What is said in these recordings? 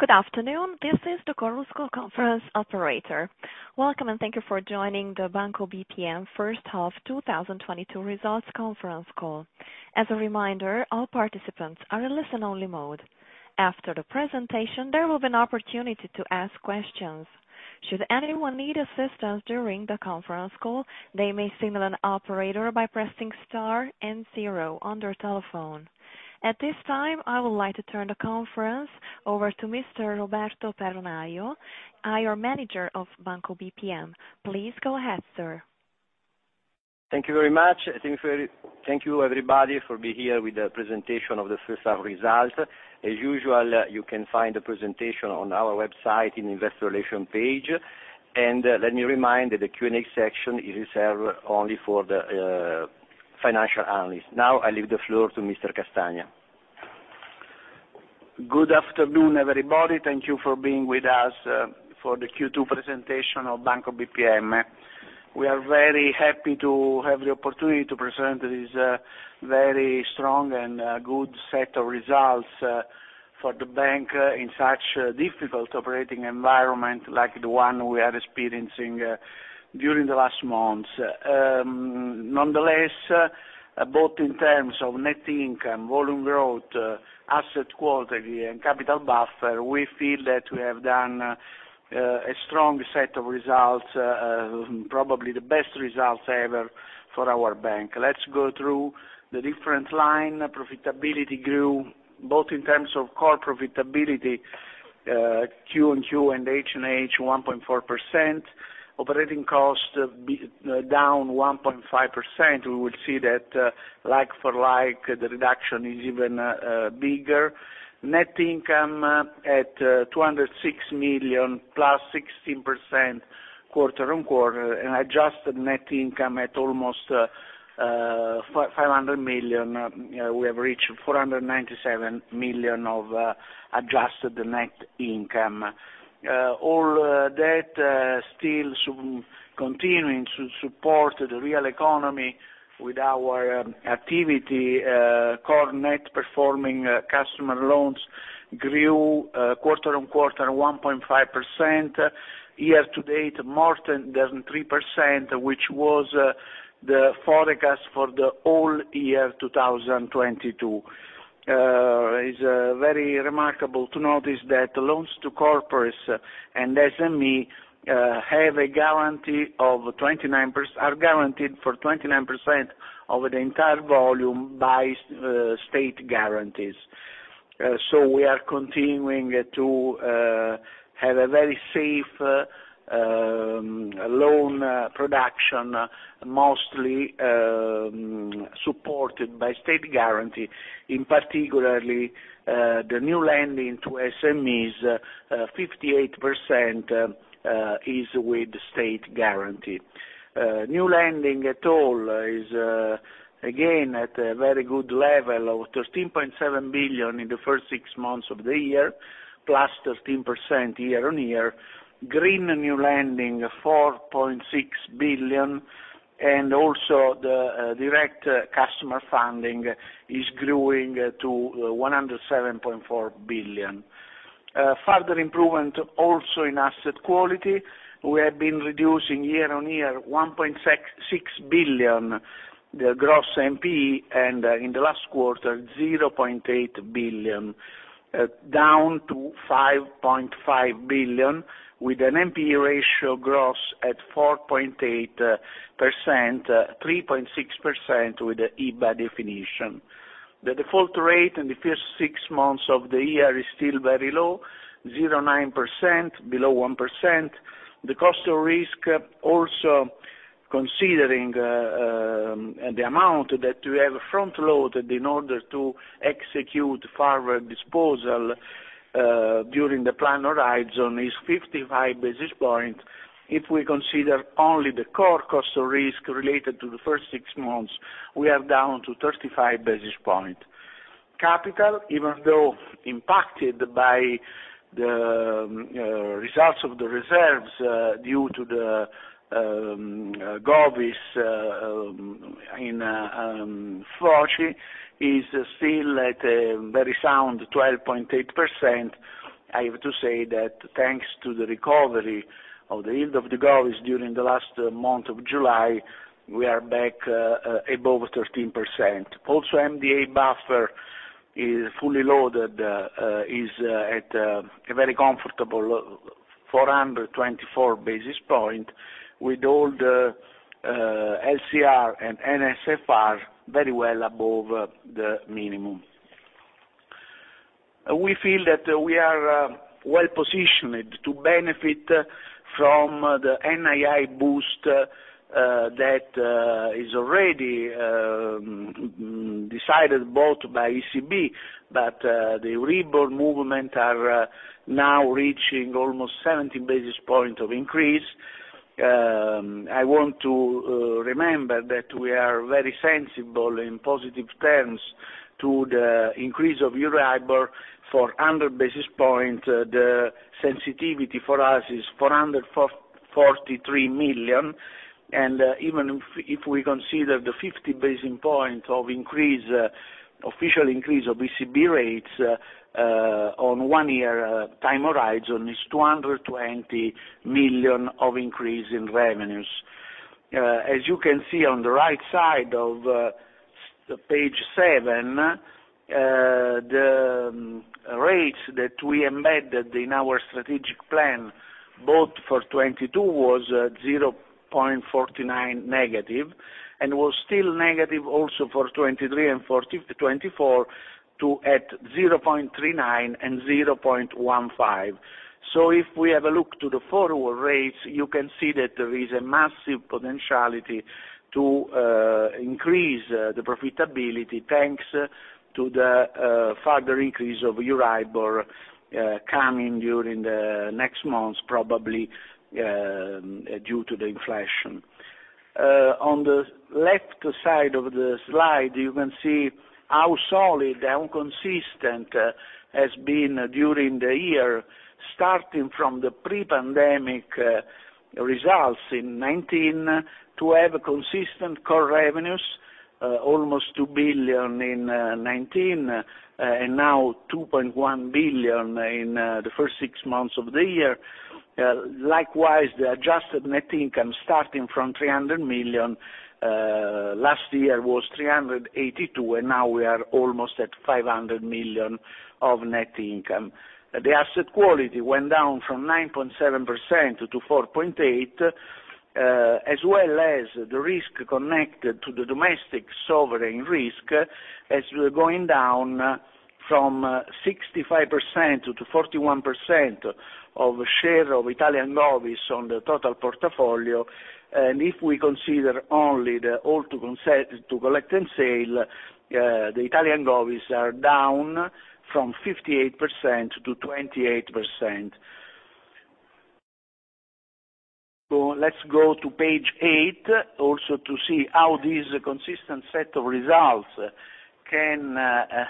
Good afternoon. This is the conference call operator. Welcome, and thank you for joining the Banco BPM first half 2022 results conference call. As a reminder, all participants are in listen only mode. After the presentation, there will be an opportunity to ask questions. Should anyone need assistance during the conference call, they may signal an operator by pressing star and zero on their telephone. At this time, I would like to turn the conference over to Mr. Roberto Perrone, IR Manager of Banco BPM. Please go ahead, sir. Thank you very much. Thank you everybody for being here with the presentation of the first half results. As usual, you can find the presentation on our website in Investor Relations page. Let me remind that the Q&A section is reserved only for the financial analysts. Now I leave the floor to Mr. Castagna. Good afternoon, everybody. Thank you for being with us for the Q2 presentation of Banco BPM. We are very happy to have the opportunity to present this very strong and good set of results for the bank in such a difficult operating environment like the one we are experiencing during the last months. Nonetheless, both in terms of net income, volume growth, asset quality and capital buffer, we feel that we have done a strong set of results, probably the best results ever for our bank. Let's go through the different line. Profitability grew both in terms of core profitability, Q on Q and H on H 1.4%. Operating costs down 1.5%. We will see that like for like, the reduction is even bigger. Net income at 206 million +16% quarter-on-quarter, and adjusted net income at almost 500 million. We have reached 497 million of adjusted net income. All that still continuing to support the real economy with our activity, core net performing customer loans grew quarter-on-quarter 1.5%. Year-to-date, more than 3%, which was the forecast for the whole year 2022. It's very remarkable to notice that loans to corporates and SME are guaranteed for 29% of the entire volume by state guarantees. So we are continuing to have a very safe loan production, mostly supported by state guarantee. In particular, the new lending to SMEs, 58% is with state guarantee. New lending at all is, again, at a very good level of 13.7 billion in the first six months of the year, +13% year-on-year. Green new lending 4.6 billion, and also the direct customer funding is growing to 107.4 billion. Further improvement also in asset quality. We have been reducing year-on-year 1.66 billion, the gross NPE, and in the last quarter, 0.8 billion, down to 5.5 billion, with an NPE ratio gross at 4.8%, 3.6% with the EBA definition. The default rate in the first six months of the year is still very low, 0.9%, below 1%. The cost of risk also considering the amount that we have front loaded in order to execute forward disposal during the planned horizon is 55 basis points. If we consider only the core cost of risk related to the first six months, we are down to 35 basis points. Capital, even though impacted by the results of the reserves due to the Govies in FVOCI, is still at a very sound 12.8%. I have to say that thanks to the recovery of the yield of the Govies during the last month of July, we are back above 13%. Also, MDA buffer is fully loaded, is at a very comfortable 424 basis points, with all the LCR and NSFR very well above the minimum. We feel that we are well-positioned to benefit from the NII boost that is already decided both by ECB, but the REPO movement are now reaching almost 70 basis points of increase. I want to remember that we are very sensitive in positive terms to the increase of Euribor for 100 basis points. The sensitivity for us is 443 million. Even if we consider the 50 basis points of increase, official increase of ECB rates, on one-year time horizon is 220 million of increase in revenues. As you can see on the right side of page seven, the rates that we embedded in our strategic plan, both for 2022 was -0.49%, and was still negative also for 2023 and 2024 to at -0.39% and -0.15%. If we have a look to the forward rates, you can see that there is a massive potentiality to increase the profitability, thanks to the further increase of Euribor coming during the next months, probably due to the inflation. On the left side of the slide, you can see how solid, how consistent has been during the year, starting from the pre-pandemic results in 2019, to have consistent core revenues, almost 2 billion in 2019, and now 2.1 billion in the first six months of the year. Likewise, the adjusted net income starting from 300 million, last year was 382, and now we are almost at 500 million of net income. The asset quality went down from 9.7% to 4.8%, as well as the risk connected to the domestic sovereign risk as going down from 65% to 41% of share of Italian Govies on the total portfolio. If we consider only the hold to collect and sell, the Italian Govies are down from 58% to 28%. Let's go to page eight, also to see how this consistent set of results can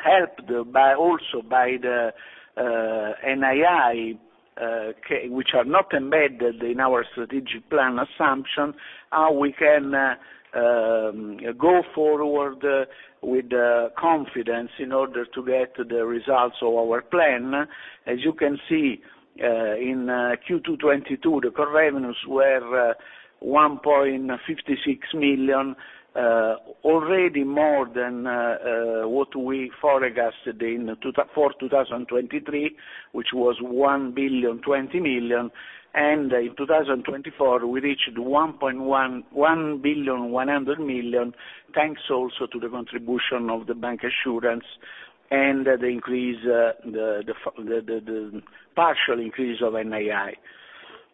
help the NII which are not embedded in our strategic plan assumption, how we can go forward with confidence in order to get the results of our plan. As you can see, in Q2 2022, the core revenues were 1.56 billion, already more than what we forecasted for 2023, which was 1.02 billion. In 2024, we reached 1.1 billion, thanks also to the contribution of the bancassurance and the partial increase of NII.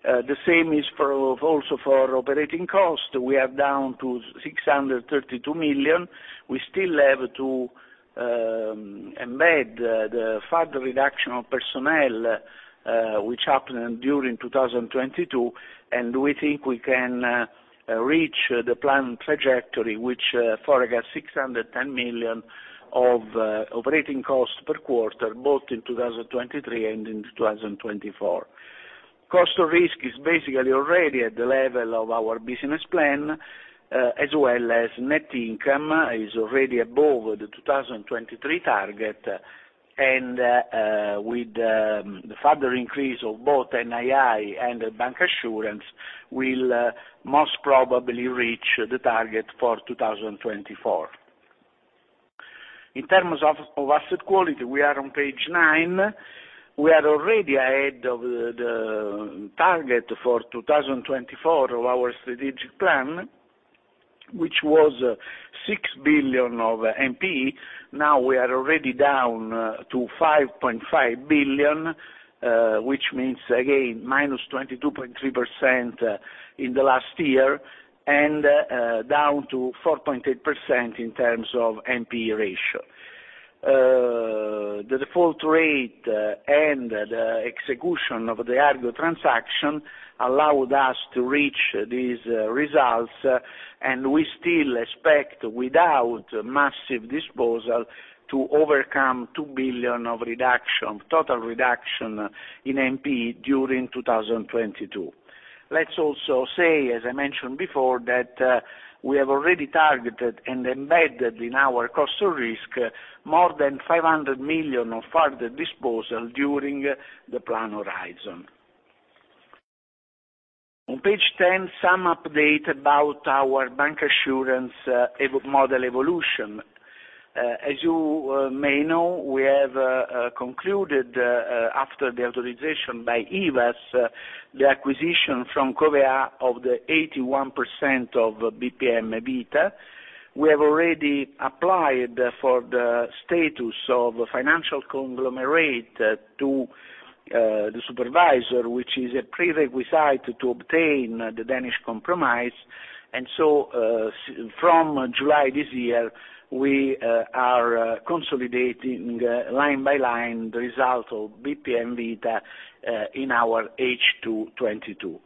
The same is also for operating costs. We are down to 632 million. We still have to embed the further reduction of personnel, which happened during 2022. We think we can reach the plan trajectory, which forecast 610 million of operating costs per quarter, both in 2023 and in 2024. Cost of risk is basically already at the level of our business plan, as well as net income is already above the 2023 target, and with the further increase of both NII and bancassurance will most probably reach the target for 2024. In terms of asset quality, we are on page nine. We are already ahead of the target for 2024 of our strategic plan, which was 6 billion of NPE. Now we are already down to 5.5 billion, which means again -22.3% in the last year, and down to 4.8% in terms of NPE ratio. The default rate and the execution of the Argo transaction allowed us to reach these results, and we still expect, without massive disposal, to overcome 2 billion of reduction, total reduction in NPE during 2022. Let's also say, as I mentioned before, that we have already targeted and embedded in our cost of risk more than 500 million of further disposal during the plan horizon. On page 10, some update about our bancassurance model evolution. As you may know, we have concluded, after the authorization by IVASS, the acquisition from Covéa of the 81% of BPM Vita. We have already applied for the status of financial conglomerate to the supervisor, which is a prerequisite to obtain the Danish compromise. From July this year, we are consolidating line by line the result of BPM Vita in our H2 2022.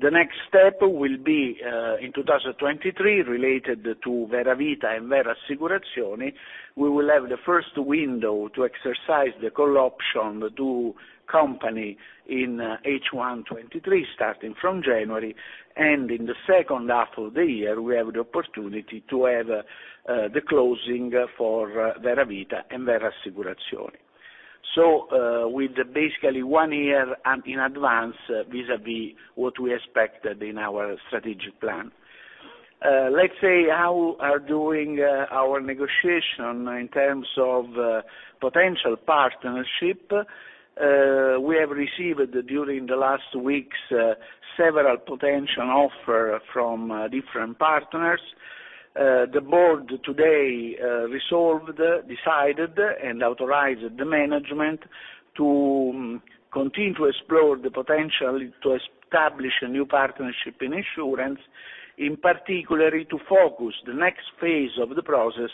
The next step will be in 2023 related to Vera Vita and Vera Assicurazioni. We will have the first window to exercise the call option to company in H1 2023, starting from January. In the second half of the year, we have the opportunity to have the closing for Vera Vita and Vera Assicurazioni. With basically one year in advance vis-a-vis what we expected in our strategic plan. Let's say how are doing our negotiation in terms of potential partnership. We have received during the last weeks several potential offer from different partners. The board today resolved, decided, and authorized the management to continue to explore the potential to establish a new partnership in insurance, in particular to focus the next phase of the process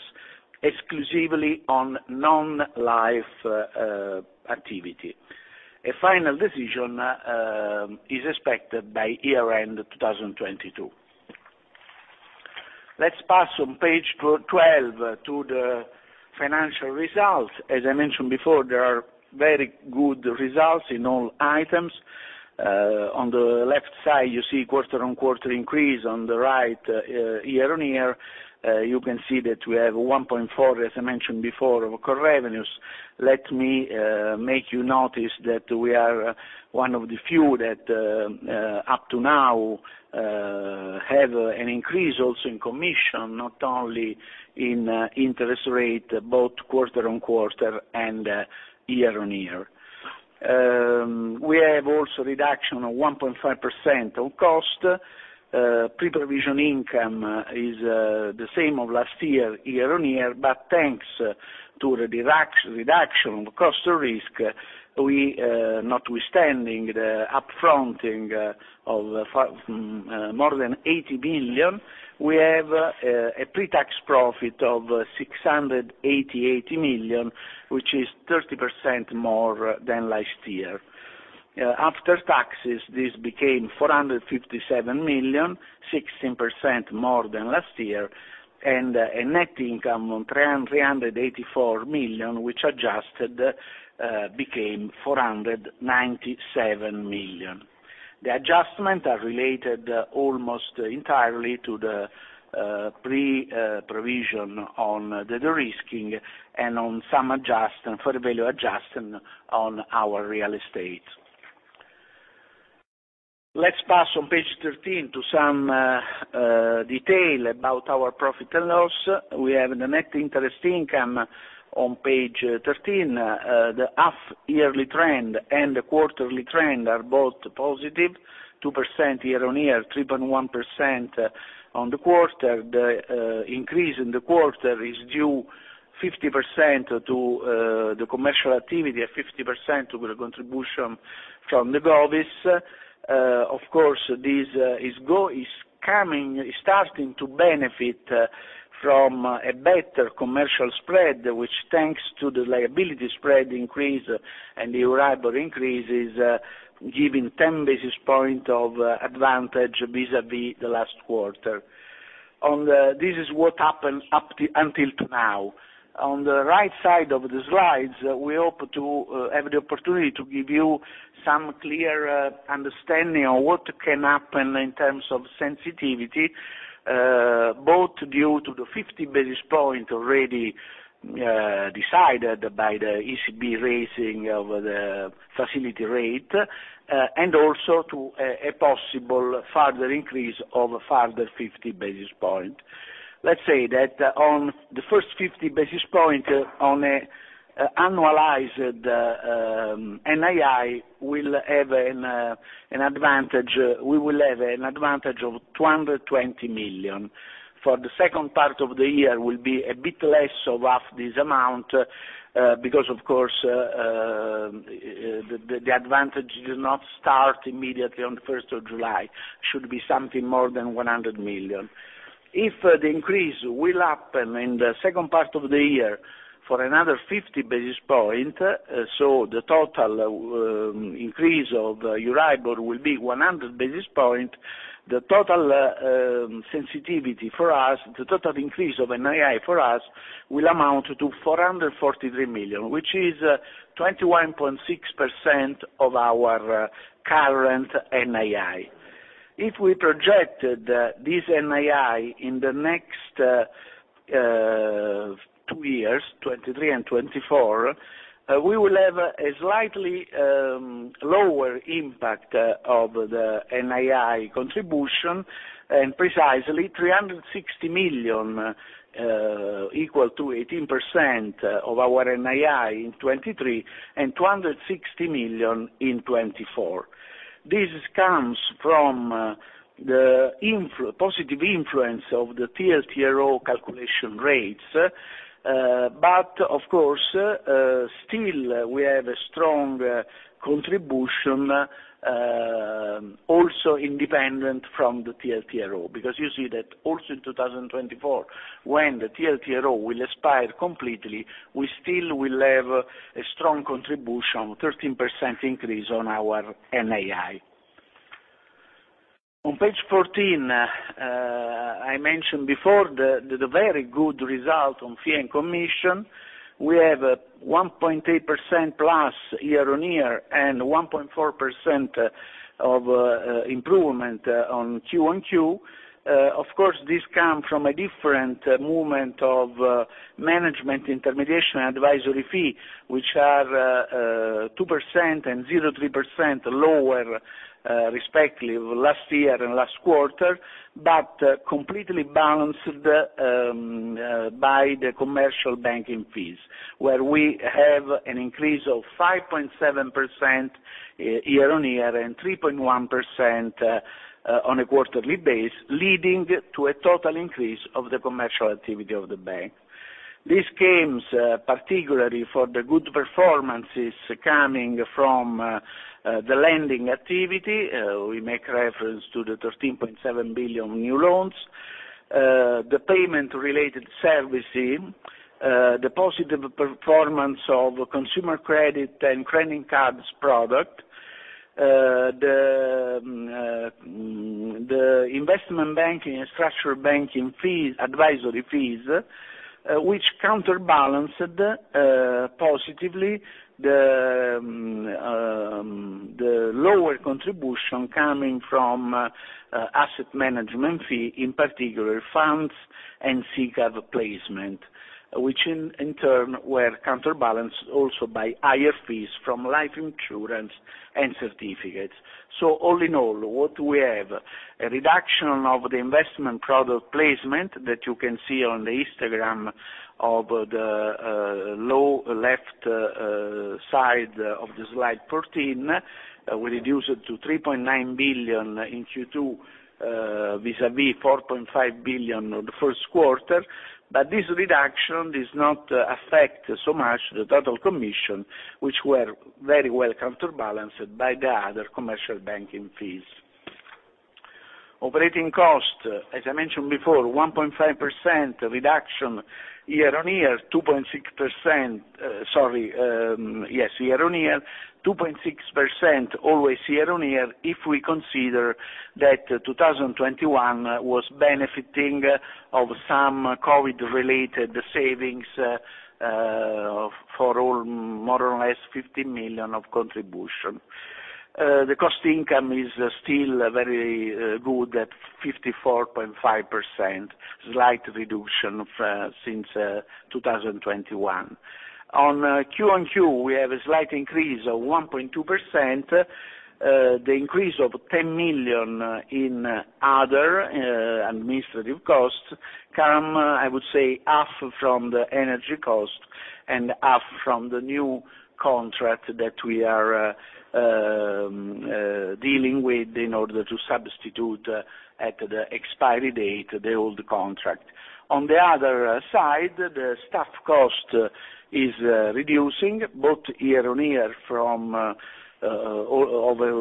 exclusively on non-life activity. A final decision is expected by year-end 2022. Let's pass on page 12 to the financial results. As I mentioned before, there are very good results in all items. On the left side, you see quarter-on-quarter increase. On the right, year-on-year, you can see that we have 1.4, as I mentioned before, of core revenues. Let me make you notice that we are one of the few that, up to now, have an increase also in commission, not only in interest rate, both quarter-on-quarter and year-on-year. We have also a reduction of 1.5% of cost. Pre-provision income is the same as last year-on-year. Thanks to the reduction of cost of risk, we, notwithstanding the up-fronting of more than 80 million, have a pre-tax profit of 688 million, which is 30% more than last year. After taxes, this became 457 million, 16% more than last year, and a net income of 384 million, which adjusted became 497 million. The adjustments are related almost entirely to the pre-provision on the de-risking and on some adjustments for the value adjustment on our real estate. Let's pass to page 13 to some details about our profit and loss. We have the net interest income on page 13. The half yearly trend and the quarterly trend are both positive, 2% year-on-year, 3.1% on the quarter. The increase in the quarter is due 50% to the commercial activity, and 50% to the contribution from the Govies. Of course, this is starting to benefit from a better commercial spread, which thanks to the liability spread increase and the Euribor increases, giving 10 basis points of advantage vis-à-vis the last quarter. This is what happened until now. On the right side of the slides, we hope to have the opportunity to give you some clear understanding on what can happen in terms of sensitivity, both due to the 50 basis point already decided by the ECB raising of the facility rate, and also to a possible further increase of further 50 basis point. Let's say that on the first 50 basis point on an annualized NII will have an advantage, we will have an advantage of 220 million. For the second part of the year will be a bit less of half this amount, because of course, the advantage do not start immediately on the first of July. Should be something more than 100 million. If the increase will happen in the second part of the year for another 50 basis points, so the total increase of Euribor will be 100 basis points, the total sensitivity for us, the total increase of NII for us will amount to 443 million, which is 21.6% of our current NII. If we projected this NII in the next two years, 2023 and 2024, we will have a slightly lower impact of the NII contribution, and precisely 360 million, equal to 18% of our NII in 2023, and 260 million in 2024. This comes from the positive influence of the TLTRO calculation rates. Of course, still we have a strong contribution, also independent from the TLTRO. Because you see that also in 2024, when the TLTRO will expire completely, we still will have a strong contribution, 13% increase on our NII. On page 14, I mentioned before the very good result on fee and commission. We have 1.8% year-over-year and 1.4% improvement on Q-over-Q. Of course, this come from a different movement of management, intermediation, and advisory fee, which are 2% and 0.3% lower, respectively last year and last quarter, but completely balanced by the commercial banking fees, where we have an increase of 5.7% year-over-year and 3.1% on a quarterly basis, leading to a total increase of the commercial activity of the bank. This comes particularly from the good performances coming from the lending activity. We make reference to the 13.7 billion new loans, the payment-related servicing, the positive performance of consumer credit and credit cards product, the investment banking and structural banking fees, advisory fees, which counterbalanced positively the lower contribution coming from asset management fee, in particular funds and SICAV placement, which in turn were counterbalanced also by higher fees from life insurance and certificates. All in all, what we have is a reduction of the investment product placement that you can see on the histogram of the lower left side of the slide 14. We reduce it to 3.9 billion in Q2 vis-à-vis 4.5 billion in the first quarter. This reduction does not affect so much the total commission, which were very well counterbalanced by the other commercial banking fees. Operating cost, as I mentioned before, 1.5% reduction year-on-year, 2.6%, year-on-year. 2.6% always year-on-year if we consider that 2021 was benefiting of some COVID-related savings, for all more or less 50 million of contribution. The cost income is still very good at 54.5%, slight reduction of since 2021. On Q-on-Q, we have a slight increase of 1.2%. The increase of 10 million in other administrative costs come, I would say, half from the energy cost and half from the new contract that we are dealing with in order to substitute at the expiry date the old contract. On the other side, the staff cost is reducing both year-on-year from over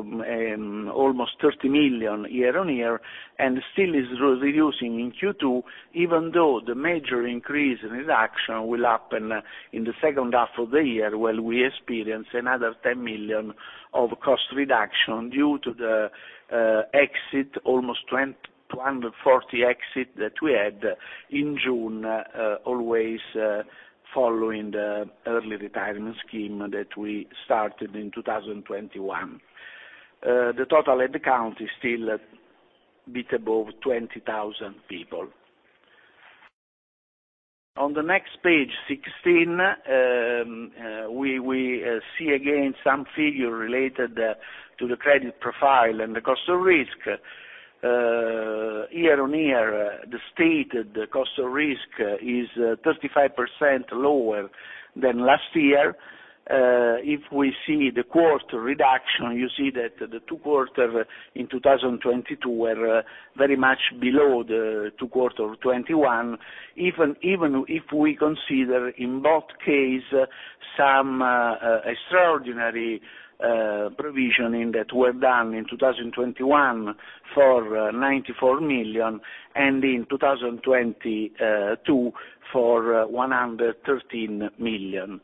almost 30 million year-on-year and still is reducing in Q2, even though the major increase and reduction will happen in the second half of the year, where we experience another 10 million of cost reduction due to the exit almost 240 exits that we had in June, always following the early retirement scheme that we started in 2021. The total head count is still a bit above 20,000 people. On the next page, 16, we see again some figures related to the credit profile and the cost of risk. Year-on-year, the stated cost of risk is 35% lower than last year. If we see the quarter reduction, you see that the 2 quarters in 2022 were very much below the 2 quarters of 2021, even if we consider in both cases some extraordinary provisioning that were done in 2021 for 94 million and in 2020 for 113 million.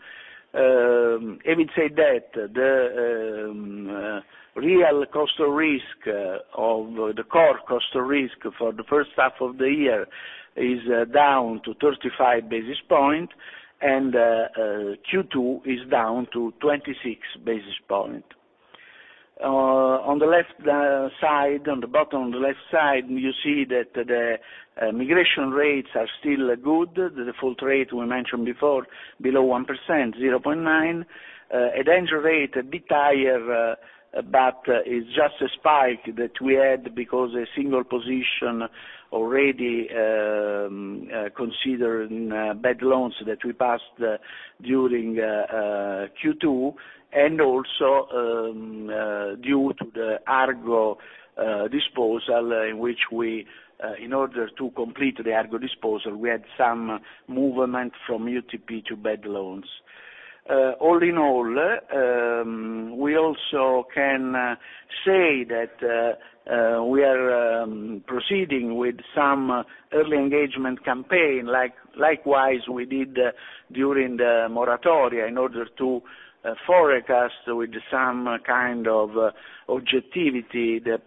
Having said that, the real cost of risk, the core cost of risk for the first half of the year is down to 35 basis points and Q2 is down to 26 basis points. On the bottom left side, you see that the migration rates are still good. The default rate we mentioned before, below 1%, 0.9%. A default rate a bit higher, but it's just a spike that we had because a single position already, considering bad loans that we passed during Q2, and also due to the Argo disposal in which we, in order to complete the Argo disposal, we had some movement from UTP to bad loans. All in all, we also can say that we are proceeding with some early engagement campaign, likewise we did during the moratoria in order to forecast with some kind of objectivity the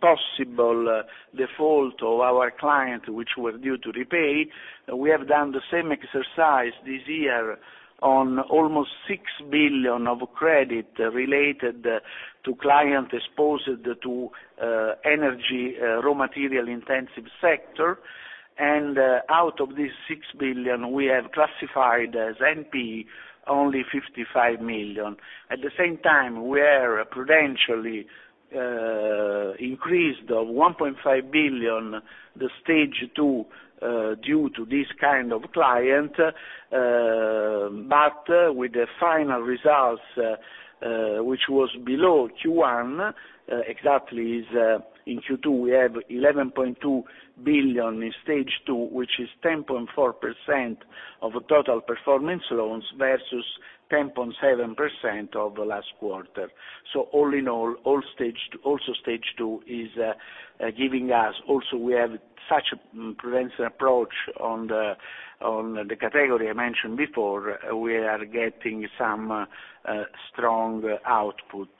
possible default of our client, which were due to repay. We have done the same exercise this year on almost 6 billion of credit related to client exposed to energy raw material intensive sector. Out of these 6 billion, we have classified as NPE only 55 million. At the same time, we are prudentially increased of 1.5 billion, the Stage 2, due to this kind of client, but with the final results, which was below Q1, exactly is, in Q2, we have 11.2 billion in Stage 2, which is 10.4% of total performing loans versus 10.7% of the last quarter. All in all, also Stage 2 is giving us also we have such a prudential approach on the category I mentioned before. We are getting some strong output.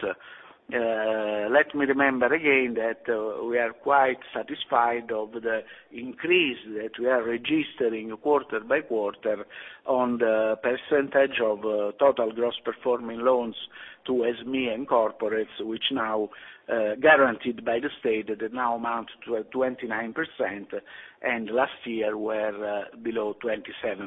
Let me remember again that we are quite satisfied of the increase that we are registering quarter by quarter on the percentage of total gross performing loans to SME and corporates, which now guaranteed by the state that now amount to a 29%, and last year were below 27%.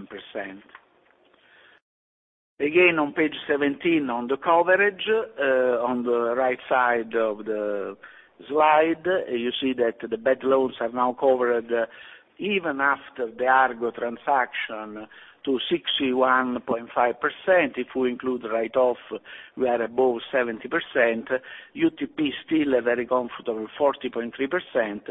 Again, on page 17, on the coverage, on the right side of the slide, you see that the bad loans are now covered even after the Argo Transaction to 61.5%. If we include write-off, we are above 70%. UTP still a very comfortable 40.3%,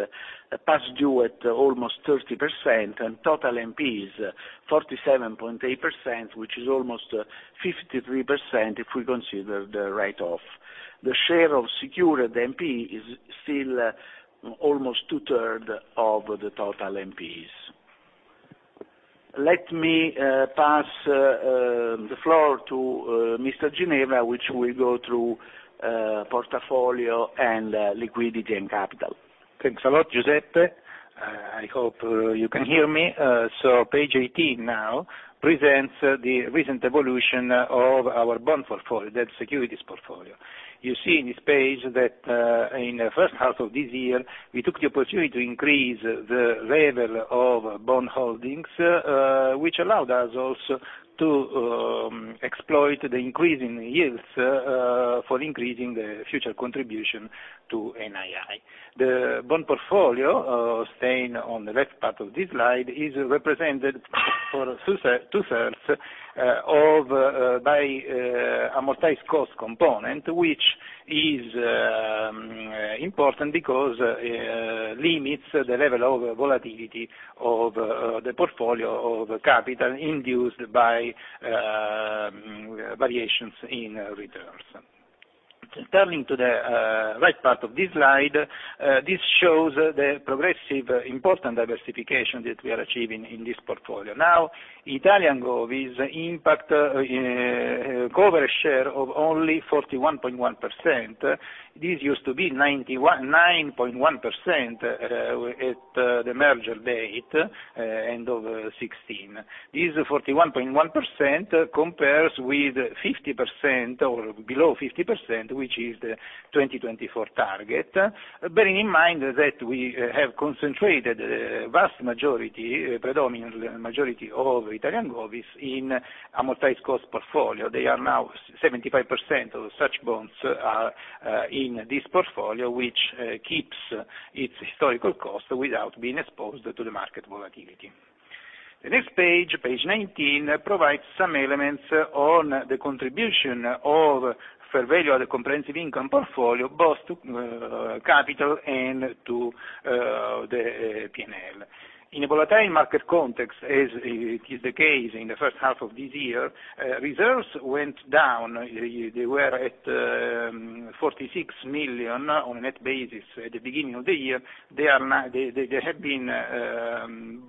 past due at almost 30%, and total NPEs 47.8%, which is almost 53% if we consider the write-off. The share of secured NPE is still almost two-thirds of the total NPEs. Let me pass the floor to Mr. Ginevra, which will go through portfolio and liquidity and capital. Thanks a lot, Giuseppe. I hope you can hear me. Page 18 now presents the recent evolution of our bond portfolio, the securities portfolio. You see in this page that, in the first half of this year, we took the opportunity to increase the level of bond holdings, which allowed us also to exploit the increasing yields, for increasing the future contribution to NII. The bond portfolio, staying on the left part of this slide, is represented for two-thirds, of, by, amortized cost component, which is important because, limits the level of volatility of, the portfolio or capital induced by, variations in returns. Turning to the, right part of this slide, this shows the progressive important diversification that we are achieving in this portfolio. Italian Govies now cover a share of only 41.1%. This used to be 91.1% at the merger date, end of 2016. This 41.1% compares with 50% or below 50%, which is the 2024 target. Bearing in mind that we have concentrated vast majority, predominantly majority of Italian Govies in amortized cost portfolio, 75% of such bonds are in this portfolio, which keeps its historical cost without being exposed to the market volatility. The next page 19, provides some elements on the contribution of fair value through other comprehensive income portfolio, both to capital and to the P&L. In a volatile market context, as is the case in the first half of this year, reserves went down. They were at 46 million on a net basis at the beginning of the year. They have been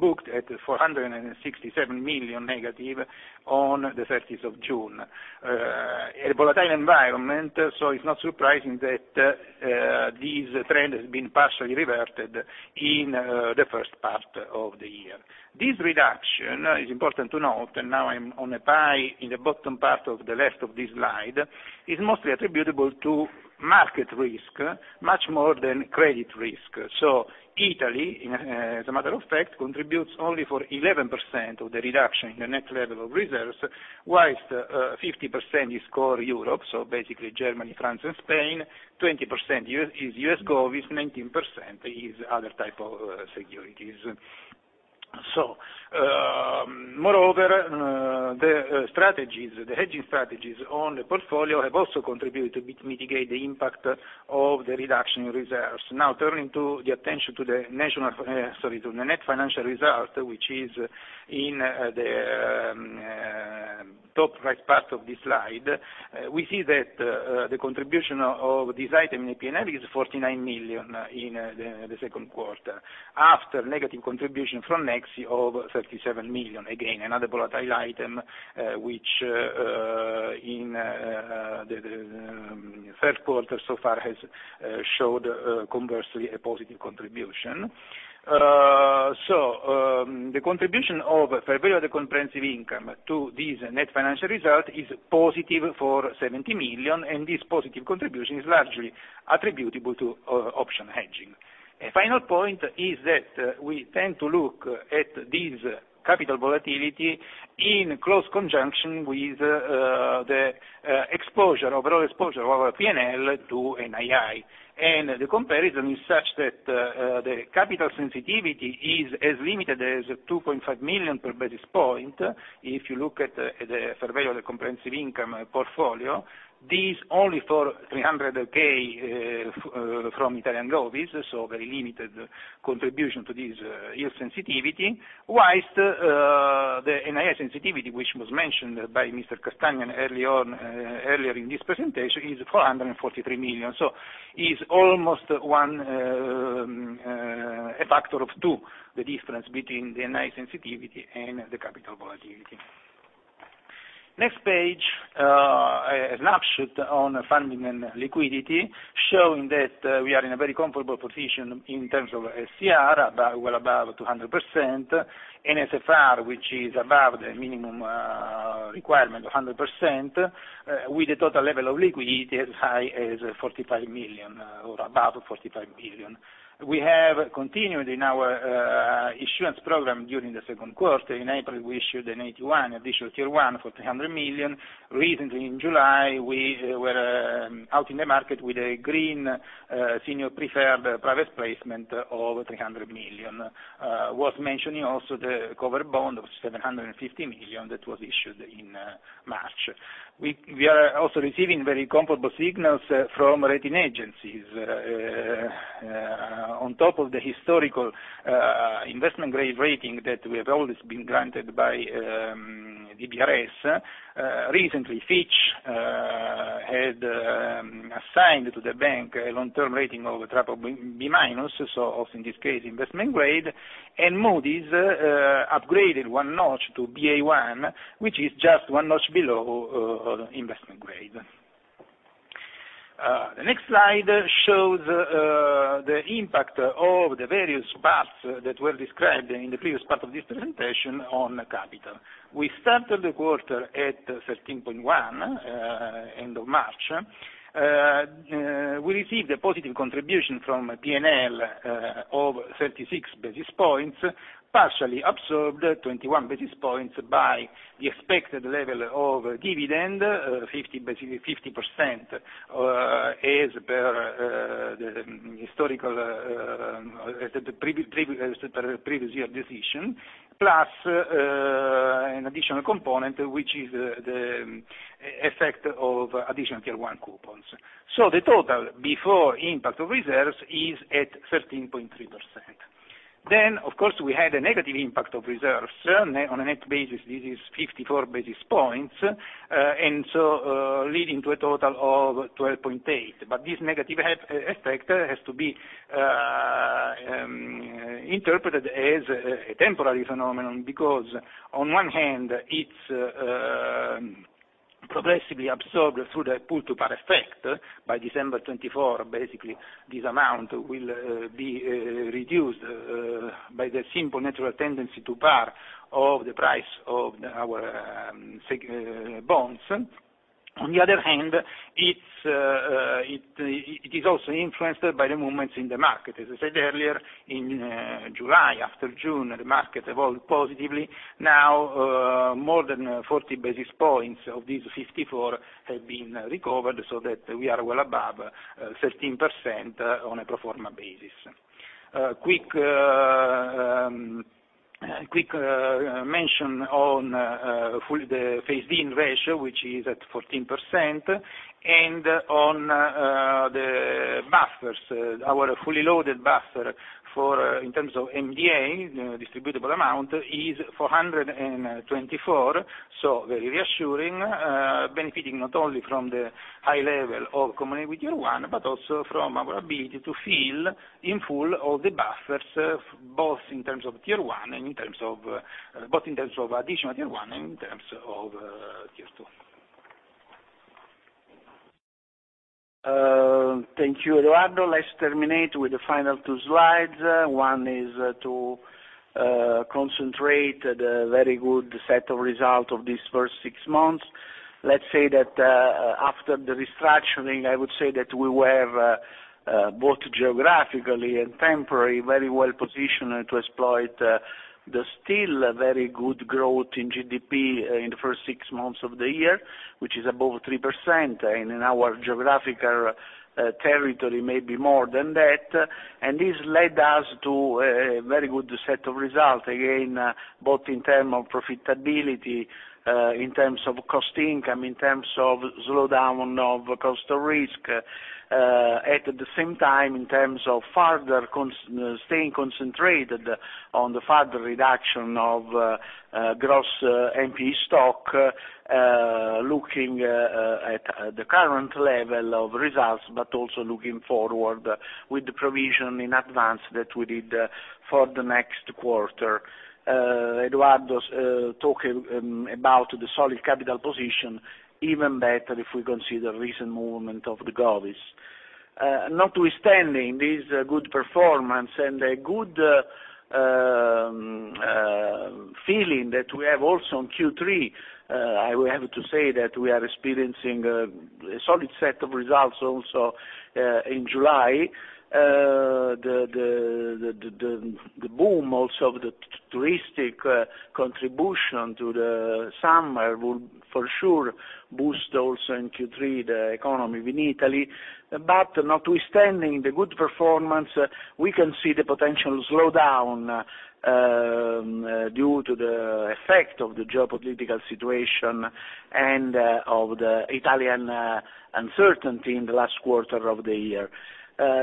booked at 467 million negative on the 30th of June. A volatile environment. It's not surprising that this trend has been partially reverted in the first part of the year. This reduction is important to note, and now I'm on a pie in the bottom part of the left of this slide is mostly attributable to market risk much more than credit risk. Italy, as a matter of fact, contributes only for 11% of the reduction in the net level of reserves, while 50% is core Europe, so basically Germany, France and Spain, 20% is U.S. Govies, 19% is other type of securities. Moreover, the hedging strategies on the portfolio have also contributed to mitigate the impact of the reduction in reserves. Now turning to the net financial result, which is in the top right part of this slide, we see that the contribution of this item in the P&L is 49 million in the second quarter after negative contribution from Nexi of 37 million. Again, another volatile item, which in the third quarter so far has showed conversely a positive contribution. The contribution of fair value through other comprehensive income to the net financial result is positive for 70 million, and this positive contribution is largely attributable to option hedging. A final point is that, we tend to look at this capital volatility in close conjunction with, the, exposure, overall exposure of our P&L to NII. The comparison is such that, the capital sensitivity is as limited as 2.5 million per basis point if you look at, the fair value of the comprehensive income portfolio. This only for 300,000, from Italian Govies, so very limited contribution to this, yield sensitivity, while, the NII sensitivity, which was mentioned by Mr. Castagna early on, earlier in this presentation, is 443 million. It's almost one, a factor of two, the difference between the NII sensitivity and the capital volatility. Next page, a snapshot on funding and liquidity, showing that we are in a very comfortable position in terms of LCR, about well above 200%. NSFR, which is above the minimum requirement of 100%, with the total level of liquidity as high as 45 billion or above 45 billion. We have continued in our issuance program during the second quarter. In April, we issued an 8.1 Additional Tier 1 for 300 million. Recently in July, we were out in the market with a green senior preferred private placement of 300 million. Worth mentioning also the covered bond of 750 million that was issued in March. We are also receiving very comfortable signals from rating agencies. On top of the historical investment-grade rating that we have always been granted by DBRS, recently Fitch had assigned to the bank a long-term rating of BBB-, so also in this case, investment grade. Moody's upgraded one notch to Ba1, which is just one notch below investment grade. The next slide shows the impact of the various paths that were described in the previous part of this presentation on capital. We started the quarter at 13.1% end of March. We received a positive contribution from P&L of 36 basis points, partially absorbed 21 basis points by the expected level of dividend, 50%, as per the historical, as per previous year decision, plus an additional component, which is the effect of Additional Tier 1 coupons. The total before impact of reserves is at 13.3%. Of course, we had a negative impact of reserves. On a net basis, this is 54 basis points, leading to a total of 12.8. This negative aspect has to be interpreted as a temporary phenomenon because, on one hand, it's progressively absorbed through the pull-to-par effect. By December 2024, basically, this amount will be reduced by the simple natural tendency to par of the price of our AT1 bonds. On the other hand, it is also influenced by the movements in the market. As I said earlier, in July, after June, the market evolved positively. Now, more than 40 basis points of these 54 have been recovered so that we are well above 13%, on a pro forma basis. Quick mention on the Phase-In ratio, which is at 14%, and on the buffers. Our fully loaded buffer for, in terms of MDA, distributable amount, is 424, so very reassuring, benefiting not only from the high level of Common Equity Tier 1, but also from our ability to fill in full all the buffers, both in terms of Tier 1, additional Tier 1, and Tier 2. Thank you, Edoardo. Let's terminate with the final two slides. One is to concentrate the very good set of results of this first six months. Let's say that after the restructuring, I would say that we were both geographically and temporally very well positioned to exploit. The still very good growth in GDP in the first six months of the year, which is above 3%, and in our geographical territory may be more than that. This led us to a very good set of results, again, both in terms of profitability, in terms of cost-to-income ratio, in terms of slowdown of cost of risk. At the same time, in terms of further staying concentrated on the further reduction of gross NPE stock, looking at the current level of results, but also looking forward with the provision in advance that we did for the next quarter. Edoardo's talking about the solid capital position even better if we consider recent movement of the Govies. Notwithstanding this good performance and a good feeling that we have also in Q3, I will have to say that we are experiencing a solid set of results also in July. The boom also of the touristic contribution to the summer will for sure boost also in Q3 the economy in Italy. Notwithstanding the good performance, we can see the potential slowdown due to the effect of the geopolitical situation and of the Italian uncertainty in the last quarter of the year.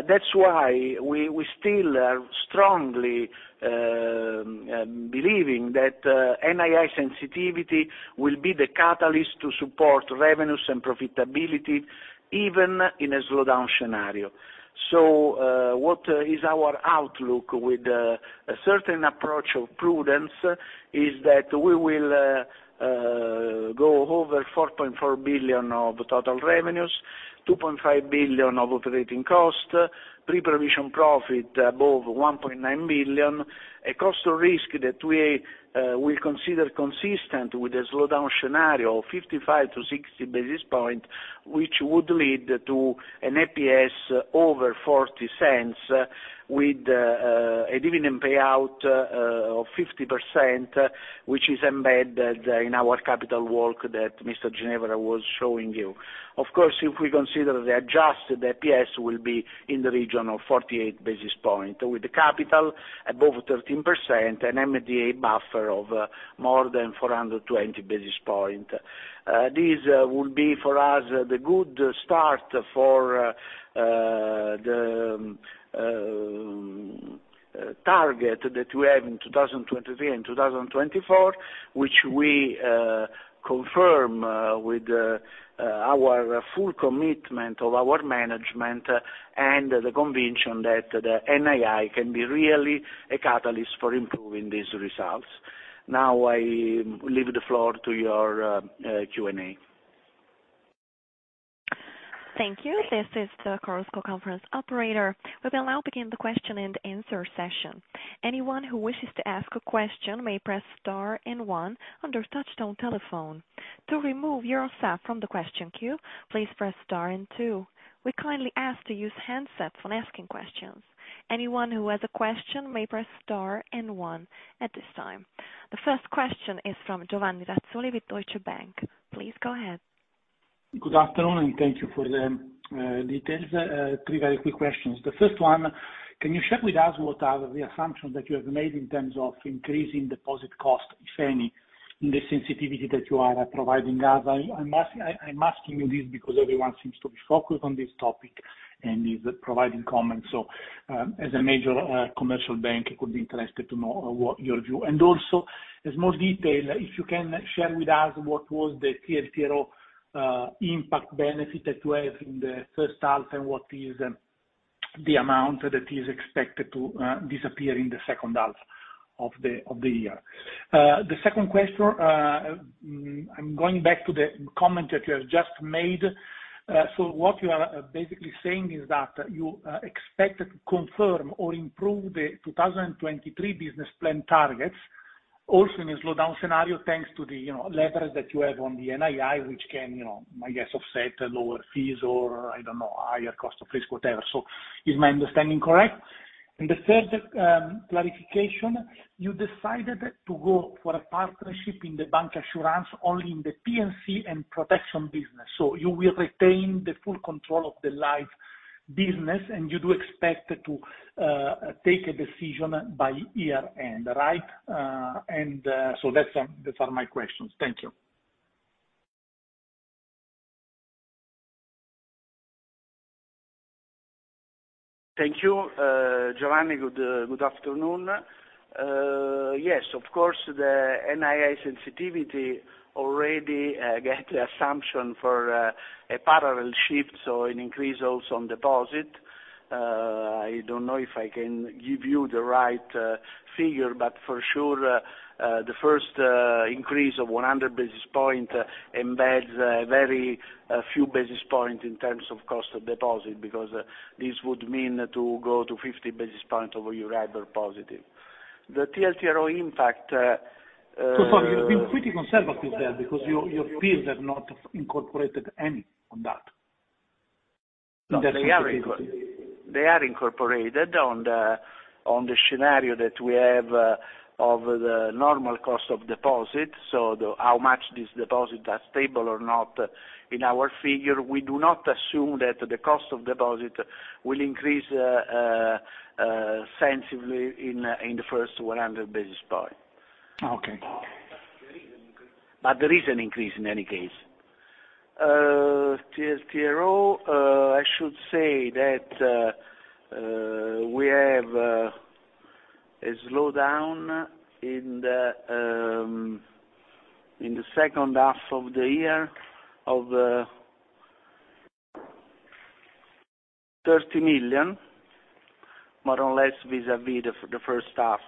That's why we still are strongly believing that NII sensitivity will be the catalyst to support revenues and profitability even in a slowdown scenario. What is our outlook with a certain approach of prudence is that we will go over 4.4 billion of total revenues, 2.5 billion of operating costs, pre-provision profit above 1.9 billion. A cost of risk that we will consider consistent with a slowdown scenario of 55-60 basis points, which would lead to an EPS over 0.40 with a dividend payout of 50%, which is embedded in our capital work that Mr. Ginevra was showing you. Of course, if we consider the adjusted EPS will be in the region of 0.48 with the capital above 13% and MDA buffer of more than 420 basis points. This will be for us the good start for the target that we have in 2023 and 2024, which we confirm with our full commitment of our management and the conviction that the NII can be really a catalyst for improving these results. Now, I leave the floor to your Q&A. Thank you. This is the Chorus Call conference operator. We will now begin the question-and-answer session. Anyone who wishes to ask a question may press star and one on their touchtone telephone. To remove yourself from the question queue, please press star and two. We kindly ask to use handsets when asking questions. Anyone who has a question may press star and one at this time. The first question is from Giovanni Razzoli with Deutsche Bank. Please go ahead. Good afternoon, and thank you for the details. Three very quick questions. The first one, can you share with us what are the assumptions that you have made in terms of increasing deposit cost, if any, in the sensitivity that you are providing us? I'm asking you this because everyone seems to be focused on this topic and is providing comments. As a major commercial bank, it could be interesting to know what your view. And also, as more detail, if you can share with us what was the TLTRO impact benefit that you have in the first half and what is the amount that is expected to disappear in the second half of the year. The second question, I'm going back to the comment that you have just made. What you are basically saying is that you expect to confirm or improve the 2023 business plan targets also in a slowdown scenario, thanks to the, you know, levers that you have on the NII, which can, you know, I guess, offset lower fees or, I don't know, higher cost of risk, whatever. Is my understanding correct? The third clarification, you decided to go for a partnership in the bancassurance only in the P&C and protection business. You will retain the full control of the life business, and you do expect to take a decision by year-end, right? That's those are my questions. Thank you. Thank you, Giovanni. Good afternoon. Yes, of course, the NII sensitivity already get the assumption for a parallel shift, so an increase also on deposit. I don't know if I can give you the right figure, but for sure, the first increase of 100 basis point embeds a few basis point in terms of cost of deposit, because this would mean to go to 50 basis points over your Sorry, you've been pretty conservative there because your fees have not incorporated any on that. They are incorporated in the scenario that we have of the normal cost of deposit, so how much these deposits are stable or not. In our figure, we do not assume that the cost of deposit will increase significantly in the first 100 basis points. Okay. There is an increase in any case. TLTRO, I should say that we have a slowdown in the second half of the year of 30 million, more or less vis-à-vis the first half,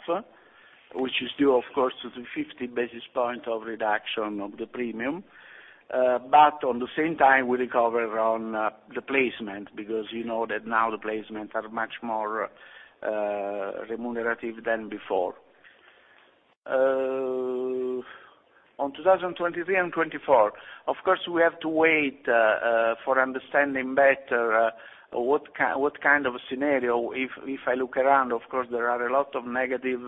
which is due, of course, to the 50 basis points reduction of the premium. But at the same time, we recover on the placement because you know that now the placements are much more remunerative than before. On 2023 and 2024, of course, we have to wait for understanding better what kind of a scenario. If I look around, of course, there are a lot of negative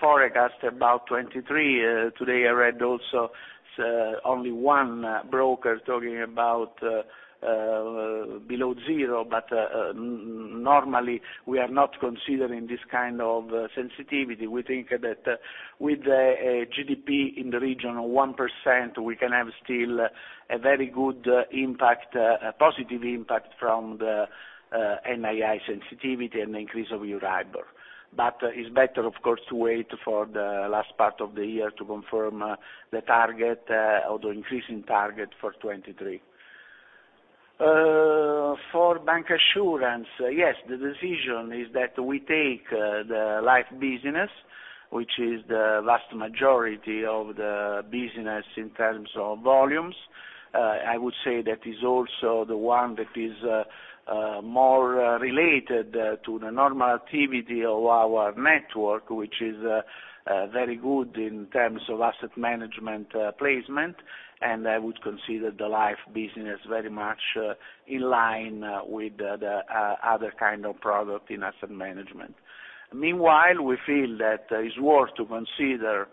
forecasts about 2023. Today I read also only one broker talking about below zero, but normally we are not considering this kind of sensitivity. We think that with a GDP in the region of 1%, we can have still a very good impact, a positive impact from the NII sensitivity and increase of Euribor. But it's better, of course, to wait for the last part of the year to confirm the target or the increasing target for 2023. For bancassurance, yes, the decision is that we take the life business, which is the vast majority of the business in terms of volumes. I would say that is also the one that is more related to the normal activity of our network, which is very good in terms of asset management placement. I would consider the life business very much in line with the other kind of product in asset management. Meanwhile, we feel that it's worth to consider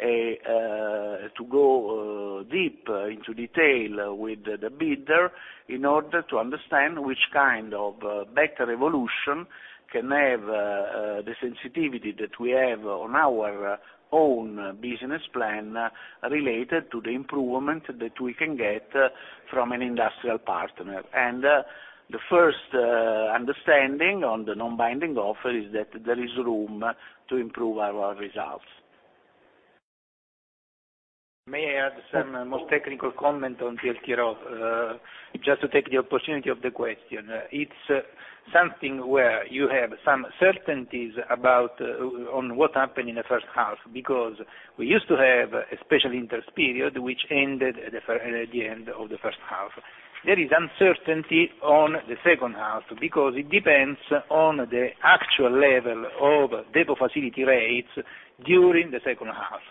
to go deep into detail with the bidder in order to understand which kind of better evolution can have the sensitivity that we have on our own business plan related to the improvement that we can get from an industrial partner. The first understanding on the non-binding offer is that there is room to improve our results. May I add some more technical comment on TLTRO just to take the opportunity of the question. It's something where you have some certainties about what happened in the first half, because we used to have a special interest period which ended at the end of the first half. There is uncertainty on the second half because it depends on the actual level of deposit facility rates during the second half.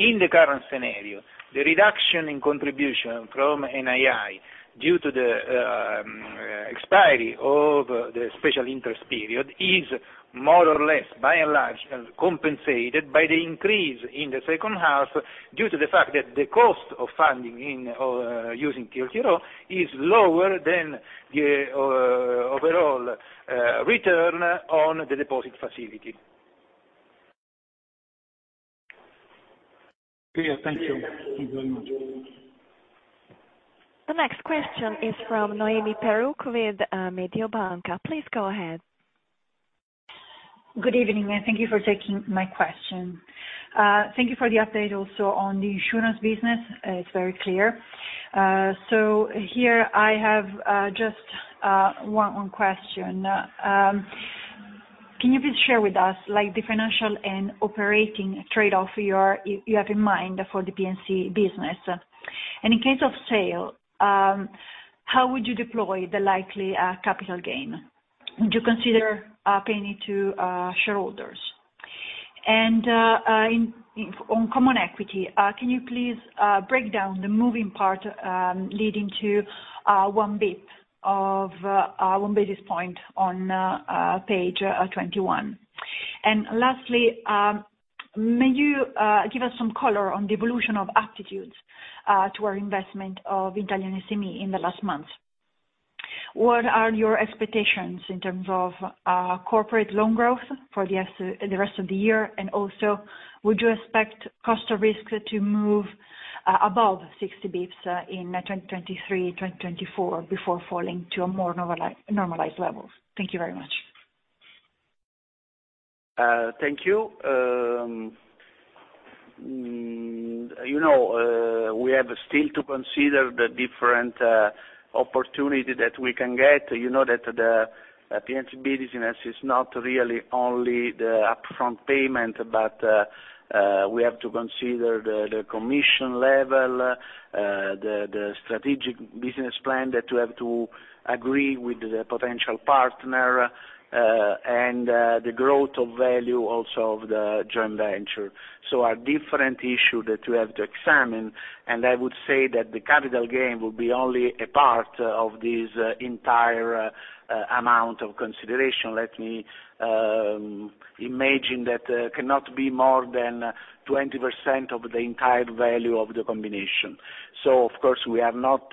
In the current scenario, the reduction in contribution from NII due to the expiry of the special interest period is more or less by and large compensated by the increase in the second half due to the fact that the cost of funding in using TLTRO is lower than the overall return on the deposit facility. Clear. Thank you. Thank you very much. The next question is from Noemi Peruch with, Mediobanca. Please go ahead. Good evening, and thank you for taking my question. Thank you for the update also on the insurance business. It's very clear. So here I have just one question. Can you please share with us, like, the financial and operating trade-off you have in mind for the P&C business? In case of sale, how would you deploy the likely capital gain? Would you consider paying it to shareholders? On common equity, can you please break down the moving part leading to one basis point on page 21. Lastly, may you give us some color on the evolution of attitudes to our investment of Italian SMEs in the last month? What are your expectations in terms of corporate loan growth for the rest of the year? Would you expect cost of risk to move above 60 basis points in 2023, 2024 before falling to a more normalized level? Thank you very much. Thank you. You know, we have still to consider the different opportunity that we can get. You know that the P&C business is not really only the upfront payment, but we have to consider the commission level, the strategic business plan that you have to agree with the potential partner, and the growth of value also of the joint venture. There are different issues that you have to examine, and I would say that the capital gain will be only a part of this entire amount of consideration. Let me imagine that cannot be more than 20% of the entire value of the combination. Of course, we are not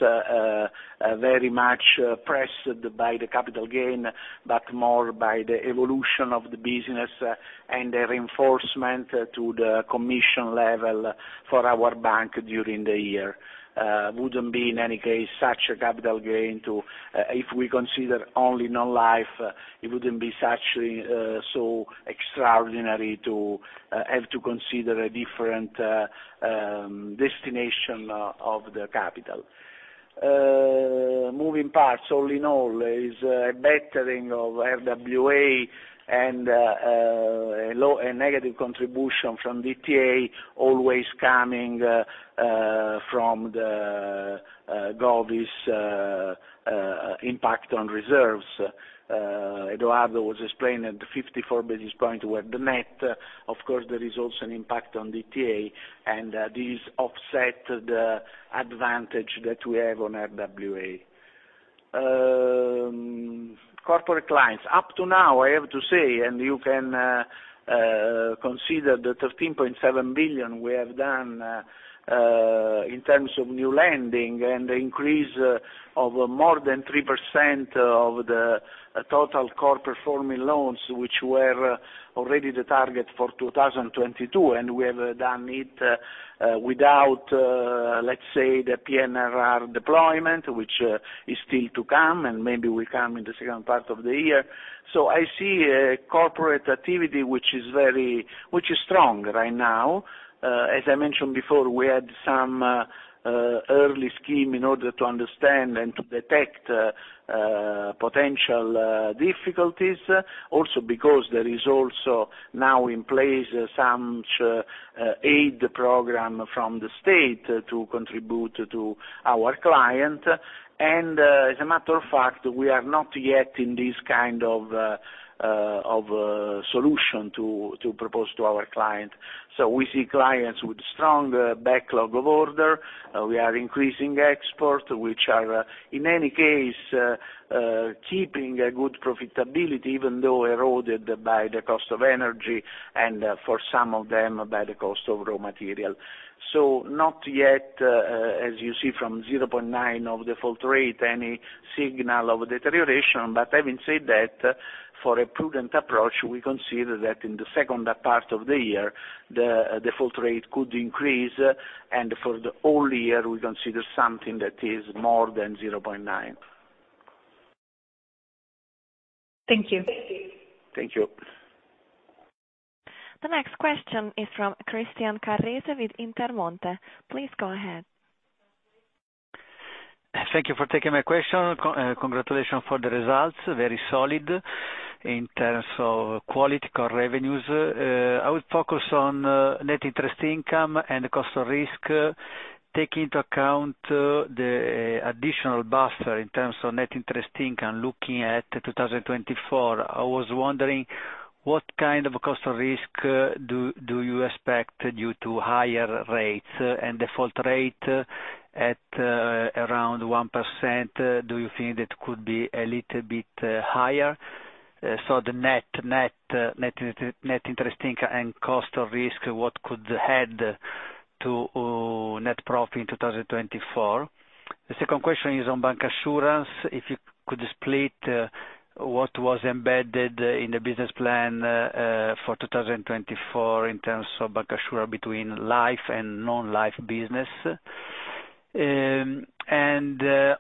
very much pressed by the capital gain, but more by the evolution of the business and the reinforcement to the commission level for our bank during the year. It wouldn't be in any case such a capital gain too, if we consider only non-life. It wouldn't be actually so extraordinary to have to consider a different destination of the capital. Moving parts all in all is a bettering of RWA and a low and negative contribution from DTA always coming from the Govies' impact on reserves. Edoardo was explaining the 54 basis point, where the net, of course, there is also an impact on DTA, and this offset the advantage that we have on RWA. Corporate clients. Up to now, I have to say, and you can consider the 13.7 billion we have done in terms of new lending and increase of more than 3% of the total core performing loans, which were already the target for 2022, and we have done it without, let's say, the PNRR deployment, which is still to come, and maybe will come in the second part of the year. I see a corporate activity which is strong right now. As I mentioned before, we had some early scheme in order to understand and to detect potential difficulties. Also, because there is also now in place some aid program from the state to contribute to our client. As a matter of fact, we are not yet in this kind of of a solution to propose to our client. We see clients with strong backlog of order. We are increasing export, which are, in any case, keeping a good profitability, even though eroded by the cost of energy and for some of them, by the cost of raw material. Not yet, as you see from 0.9% default rate, any signal of deterioration. Having said that, for a prudent approach, we consider that in the second part of the year, the default rate could increase, and for the whole year, we consider something that is more than 0.9%. Thank you. Thank you. The next question is from Christian Carrese with Intermonte. Please go ahead. Thank you for taking my question. Congratulations for the results. Very solid in terms of quality core revenues. I would focus on net interest income and cost of risk. Taking into account the additional buffer in terms of net interest income, looking at 2024, I was wondering what kind of cost of risk do you expect due to higher rates and default rate at around 1%? Do you think that could be a little bit higher? The net interest income and cost of risk, what could add to net profit in 2024? The second question is on bancassurance. If you could split what was embedded in the business plan for 2024 in terms of bancassurance between life and non-life business.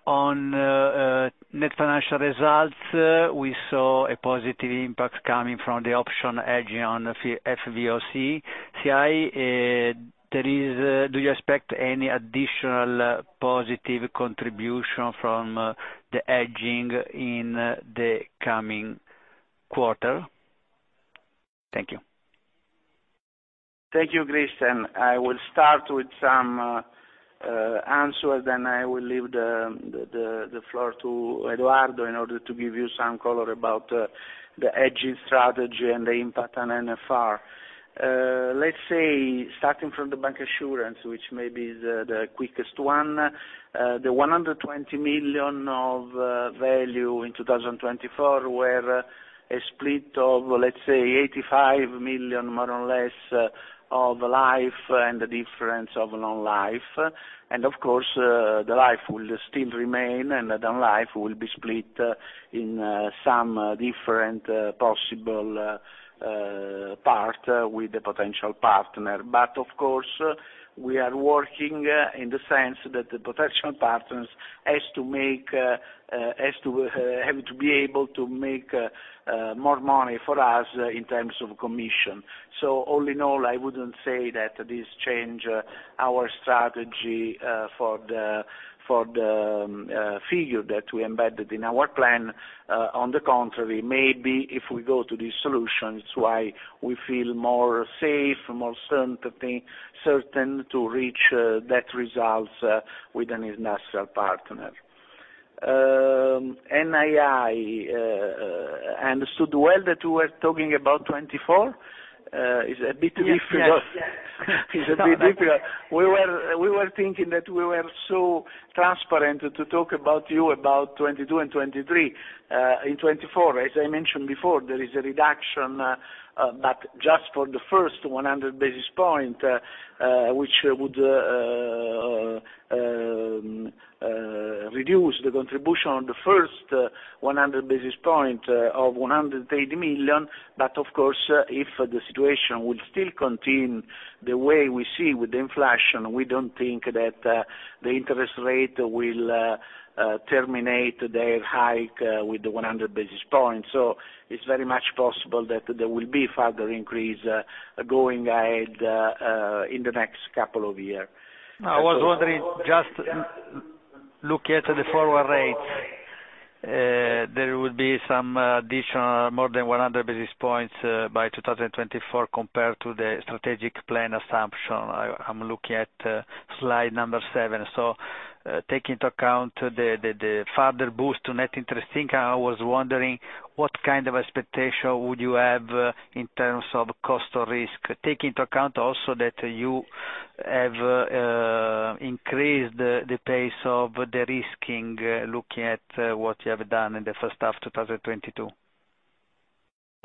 On net financial results, we saw a positive impact coming from the option hedging on FVOCI. Do you expect any additional positive contribution from the hedging in the coming quarter? Thank you. Thank you, Christian. I will start with some answers, then I will leave the floor to Eduardo in order to give you some color about the hedging strategy and the impact on NFR. Let's say starting from the bancassurance, which may be the quickest one, the 120 million of value in 2024 were a split of, let's say 85 million, more or less, of life and the difference of non-life. Of course, the life will still remain and the non-life will be split in some different possible part with the potential partner. Of course, we are working in the sense that the potential partners have to be able to make more money for us in terms of commission. All in all, I wouldn't say that this change our strategy for the figure that we embedded in our plan. On the contrary, maybe if we go to these solutions why we feel more safe, more certainty, certain to reach that results with an international partner. NII understood well that you were talking about 24? It's a bit difficult. Yes. Yes. It's a bit difficult. We were thinking that we were so- transparent to talk about 2022 and 2023. In 2024, as I mentioned before, there is a reduction, but just for the first 100 basis points, which would reduce the contribution on the first 100 basis points of 180 million. Of course, if the situation would still continue the way we see with inflation, we don't think that the interest rate will terminate the hike with the 100 basis points. It's very much possible that there will be further increase going ahead in the next couple of years. I was wondering, just looking at the forward rates, there will be some additional more than 100 basis points by 2024 compared to the strategic plan assumption. I'm looking at slide number seven. Take into account the further boost to net interest income. I was wondering what kind of expectation would you have in terms of cost of risk. Take into account also that you have increased the pace of the de-risking, looking at what you have done in the first half of 2022.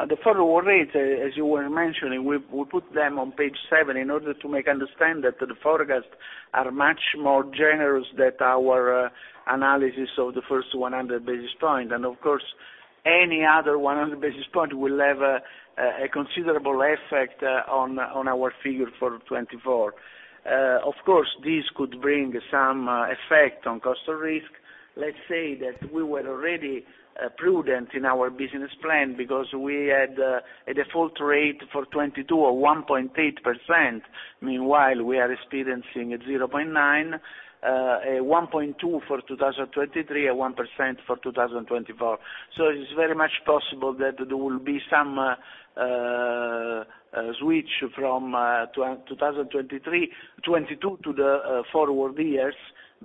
The forward rates, as you were mentioning, we put them on page seven in order to make understand that the forecasts are much more generous than our analysis of the first 100 basis points. Of course, any other 100 basis points will have a considerable effect on our figure for 2024. Of course, this could bring some effect on cost of risk. Let's say that we were already prudent in our business plan because we had a default rate for 2022 of 1.8%. Meanwhile, we are experiencing 0.9, 1.2 for 2023, and 1% for 2024. It's very much possible that there will be some switch from 2023, 2022 to the forward years.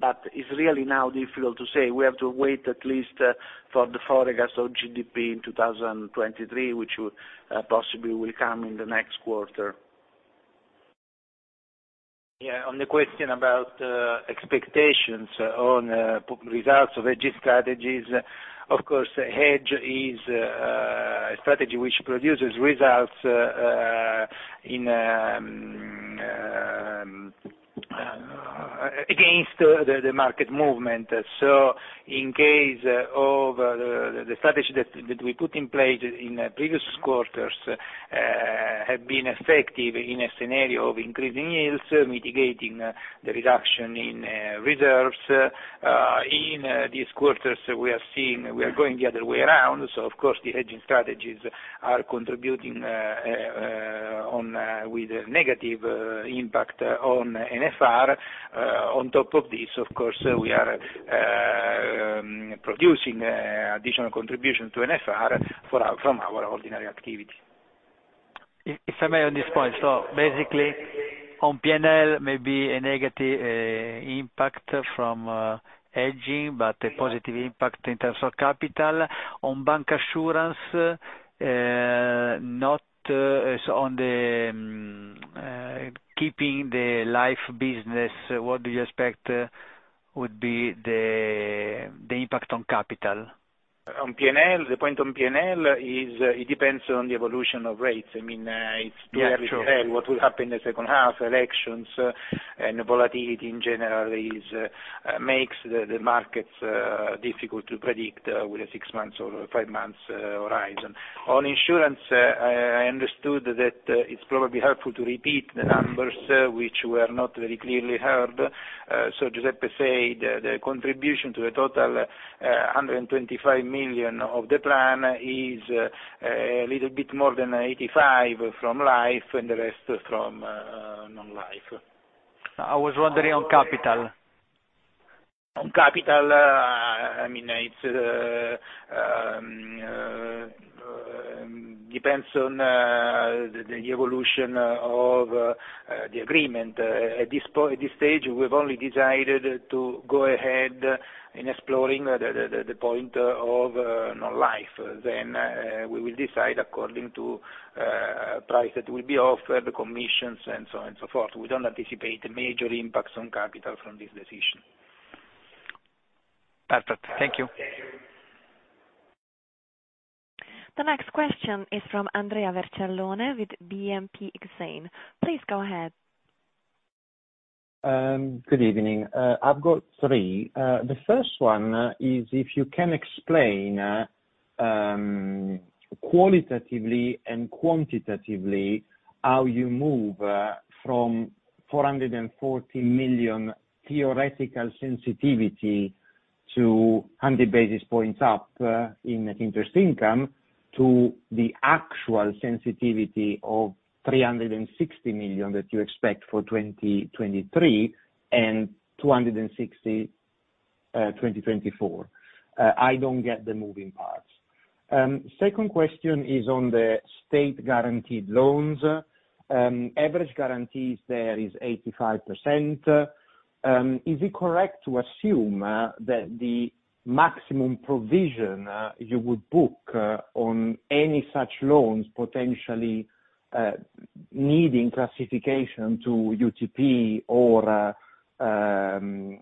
It's really now difficult to say. We have to wait at least for the forecast of GDP in 2023, which possibly will come in the next quarter. On the question about expectations on results of hedge strategies, of course, hedge is a strategy which produces results against the market movement. In case of the strategy that we put in place in previous quarters have been effective in a scenario of increasing yields, mitigating the reduction in reserves. In these quarters we are seeing we are going the other way around. Of course, the hedging strategies are contributing with a negative impact on NFR. On top of this, of course, we are producing additional contribution to NFR from our ordinary activity. If I may on this point. Basically on P&L may be a negative impact from hedging, but a positive impact in terms of capital. On bancassurance, not on the keeping the life business. What do you expect would be the impact on capital? On P&L, the point on P&L is it depends on the evolution of rates. I mean, it's too early to tell what will happen in the second half, elections, and volatility in general is what makes the markets difficult to predict with a six months or five months horizon. On insurance, I understood that it's probably helpful to repeat the numbers which were not very clearly heard. Giuseppe said the contribution to a total 125 million of the plan is a little bit more than 85 million from life and the rest from non-life. I was wondering on capital. On capital, I mean, it depends on the evolution of the agreement. At this stage, we've only decided to go ahead in exploring the point of non-life. We will decide according to price that will be offered, commissions and so on and so forth. We don't anticipate major impacts on capital from this decision. Perfect. Thank you. The next question is from Andrea Vercellone with BNP Paribas. Please go ahead. Good evening. I've got three. The first one is if you can explain qualitatively and quantitatively how you move from 440 million theoretical sensitivity to 100 basis points up in net interest income to the actual sensitivity of 360 million that you expect for 2023 and 260 million for 2024. I don't get the moving parts. Second question is on the state guaranteed loans. Average guarantees there is 85%. Is it correct to assume that the maximum provision you would book on any such loans potentially Needing classification to UTP or NPL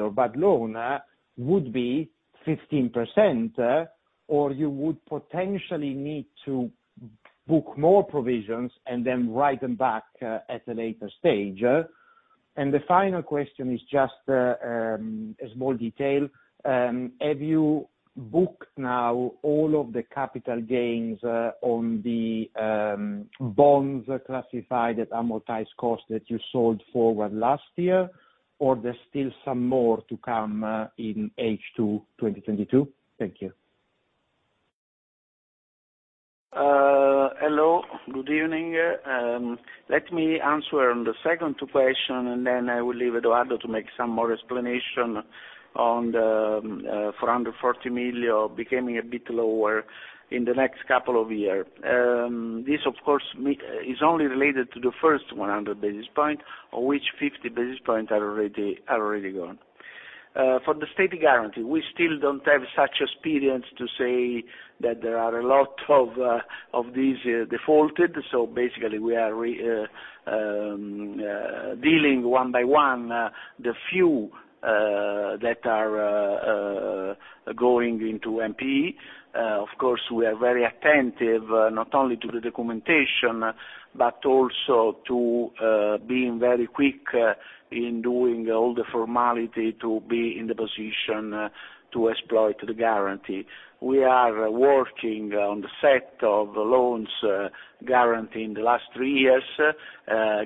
or bad loan would be 15%, or you would potentially need to book more provisions and then write them back at a later stage. The final question is just a small detail. Have you booked now all of the capital gains on the bonds classified at amortized costs that you sold forward last year, or there's still some more to come in H2 2022? Thank you. Hello, good evening. Let me answer on the second question, and then I will leave Edoardo to make some more explanation on the 440 million becoming a bit lower in the next couple of year. This of course is only related to the first 100 basis point of which 50 basis points are already gone. For the state guarantee, we still don't have such experience to say that there are a lot of these defaulted, so basically we are dealing one by one the few that are going into NPE. Of course, we are very attentive not only to the documentation but also to being very quick in doing all the formality to be in the position to exploit the guarantee. We are working on the set of loans guaranteed in the last three years,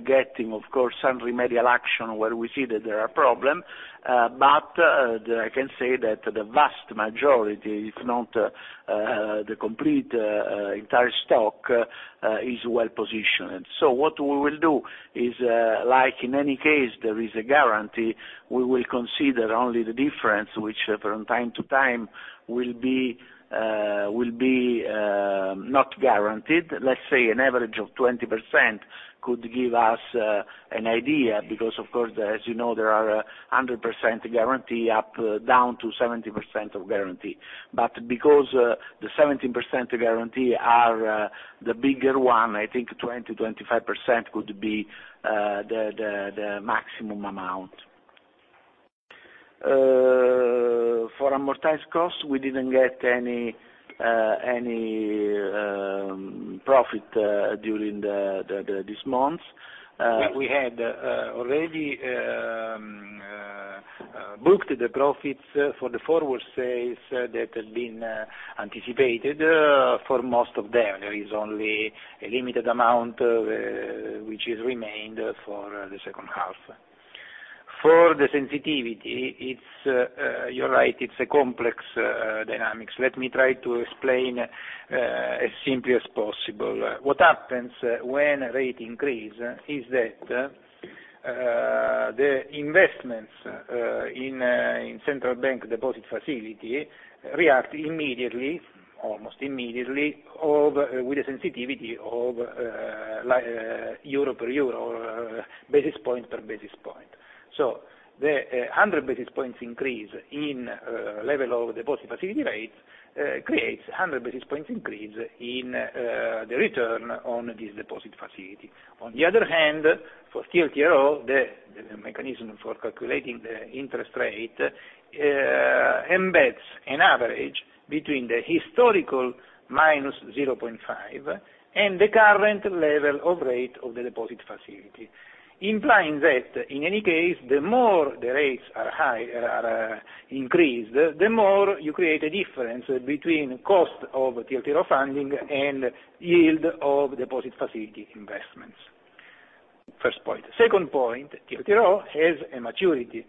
getting of course some remedial action where we see that there are problem. I can say that the vast majority, if not the complete entire stock, is well-positioned. What we will do is, like in any case, there is a guarantee, we will consider only the difference which from time to time will be not guaranteed. Let's say an average of 20% could give us an idea because of course, as you know, there are 100% guarantee up, down to 70% of guarantee. Because the seventy percent guarantee are the bigger one, I think 20-25% could be the maximum amount. For amortized cost, we didn't get any profit during this month. We had already booked the profits for the forward sales that had been anticipated for most of them. There is only a limited amount which is remained for the second half. For the sensitivity, it's you're right, it's a complex dynamics. Let me try to explain as simply as possible. What happens when rates increase is that the investments in central bank deposit facility react immediately, almost immediately, with the sensitivity of like euro per euro or basis point per basis point. The 100 basis points increase in level of deposit facility rates creates 100 basis points increase in the return on this deposit facility. On the other hand, for TLTRO, the mechanism for calculating the interest rate embeds an average between the historical minus 0.5 and the current level of rate of the deposit facility, implying that in any case, the more the rates are high, increased, the more you create a difference between cost of TLTRO funding and yield of deposit facility investments. First point. Second point, TLTRO has a maturity.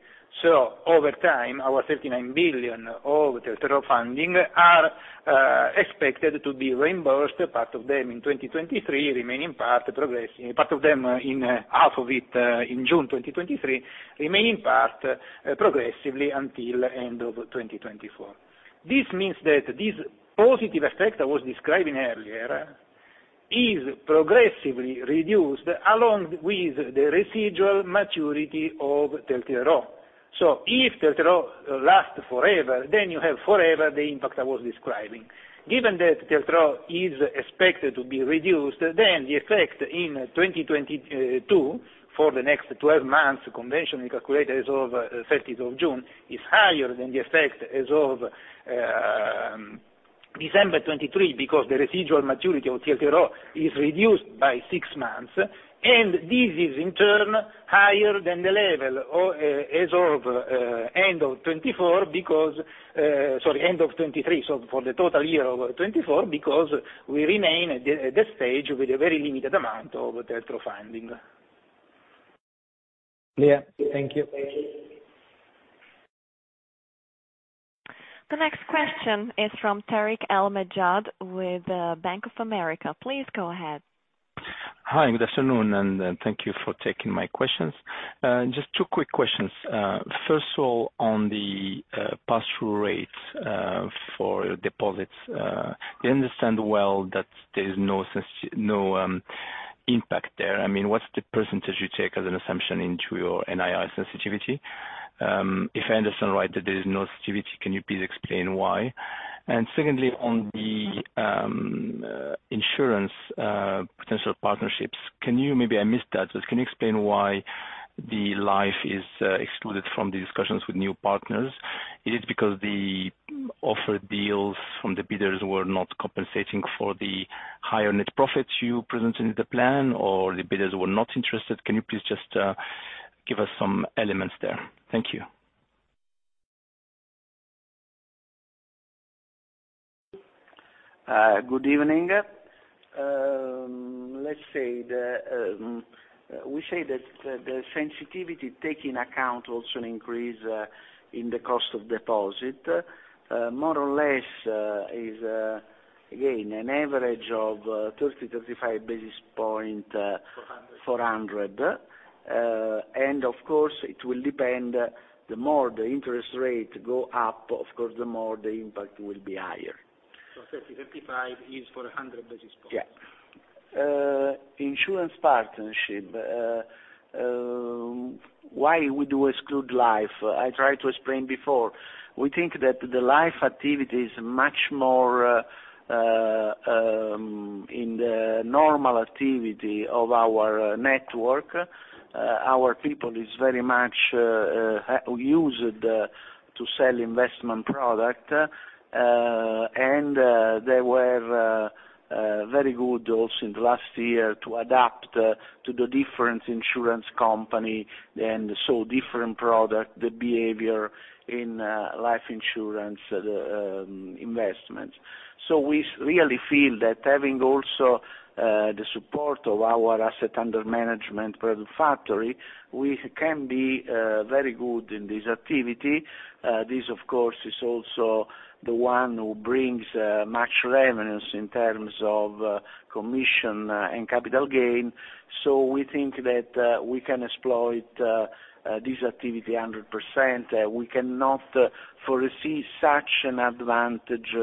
Over time, our 39 billion of TLTRO funding are expected to be reimbursed, part of them in 2023, remaining part progressing, part of them in half of it in June 2023, remaining part progressively until end of 2024. This means that this positive effect I was describing earlier is progressively reduced along with the residual maturity of TLTRO. If TLTRO lasts forever, then you have forever the impact I was describing. Given that TLTRO is expected to be reduced, the effect in 2022 for the next 12 months conventionally calculated as of 30th of June is higher than the effect as of December 2023 because the residual maturity of TLTRO is reduced by six months, and this is in turn higher than the level as of end of 2024 because end of 2023, so for the total year of 2024 because we remain at the stage with a very limited amount of TLTRO funding. Yeah. Thank you. The next question is from Tarik El Mejjad with Bank of America. Please go ahead. Hi, good afternoon, and thank you for taking my questions. Just two quick questions. First of all, on the pass-through rates for deposits, I understand well that there is no impact there. I mean, what's the percentage you take as an assumption into your NII sensitivity? If I understand right that there is no sensitivity, can you please explain why? Secondly, on the insurance potential partnerships, can you? Maybe I missed that. But can you explain why the life is excluded from the discussions with new partners? Is it because the offer deals from the bidders were not compensating for the higher net profits you presented in the plan, or the bidders were not interested? Can you please just give us some elements there? Thank you. Good evening. Let's say the sensitivity takes into account also an increase in the cost of deposit. More or less is again an average of 35 basis points. 400. 400. Of course it will depend the more the interest rate go up, of course, the more the impact will be higher. 30-35 is for 100 basis points. Yeah. Insurance partnership. Why we do exclude life? I tried to explain before. We think that the life activity is much more in the normal activity of our network. Our people is very much used to sell investment product. They were very good also in the last year to adapt to the different insurance company and sell different product, the behavior in life insurance investments. We really feel that having also the support of our asset under management product factory, we can be very good in this activity. This of course is also the one who brings much revenues in terms of commission and capital gain. We think that we can exploit this activity 100%. We cannot foresee such an advantage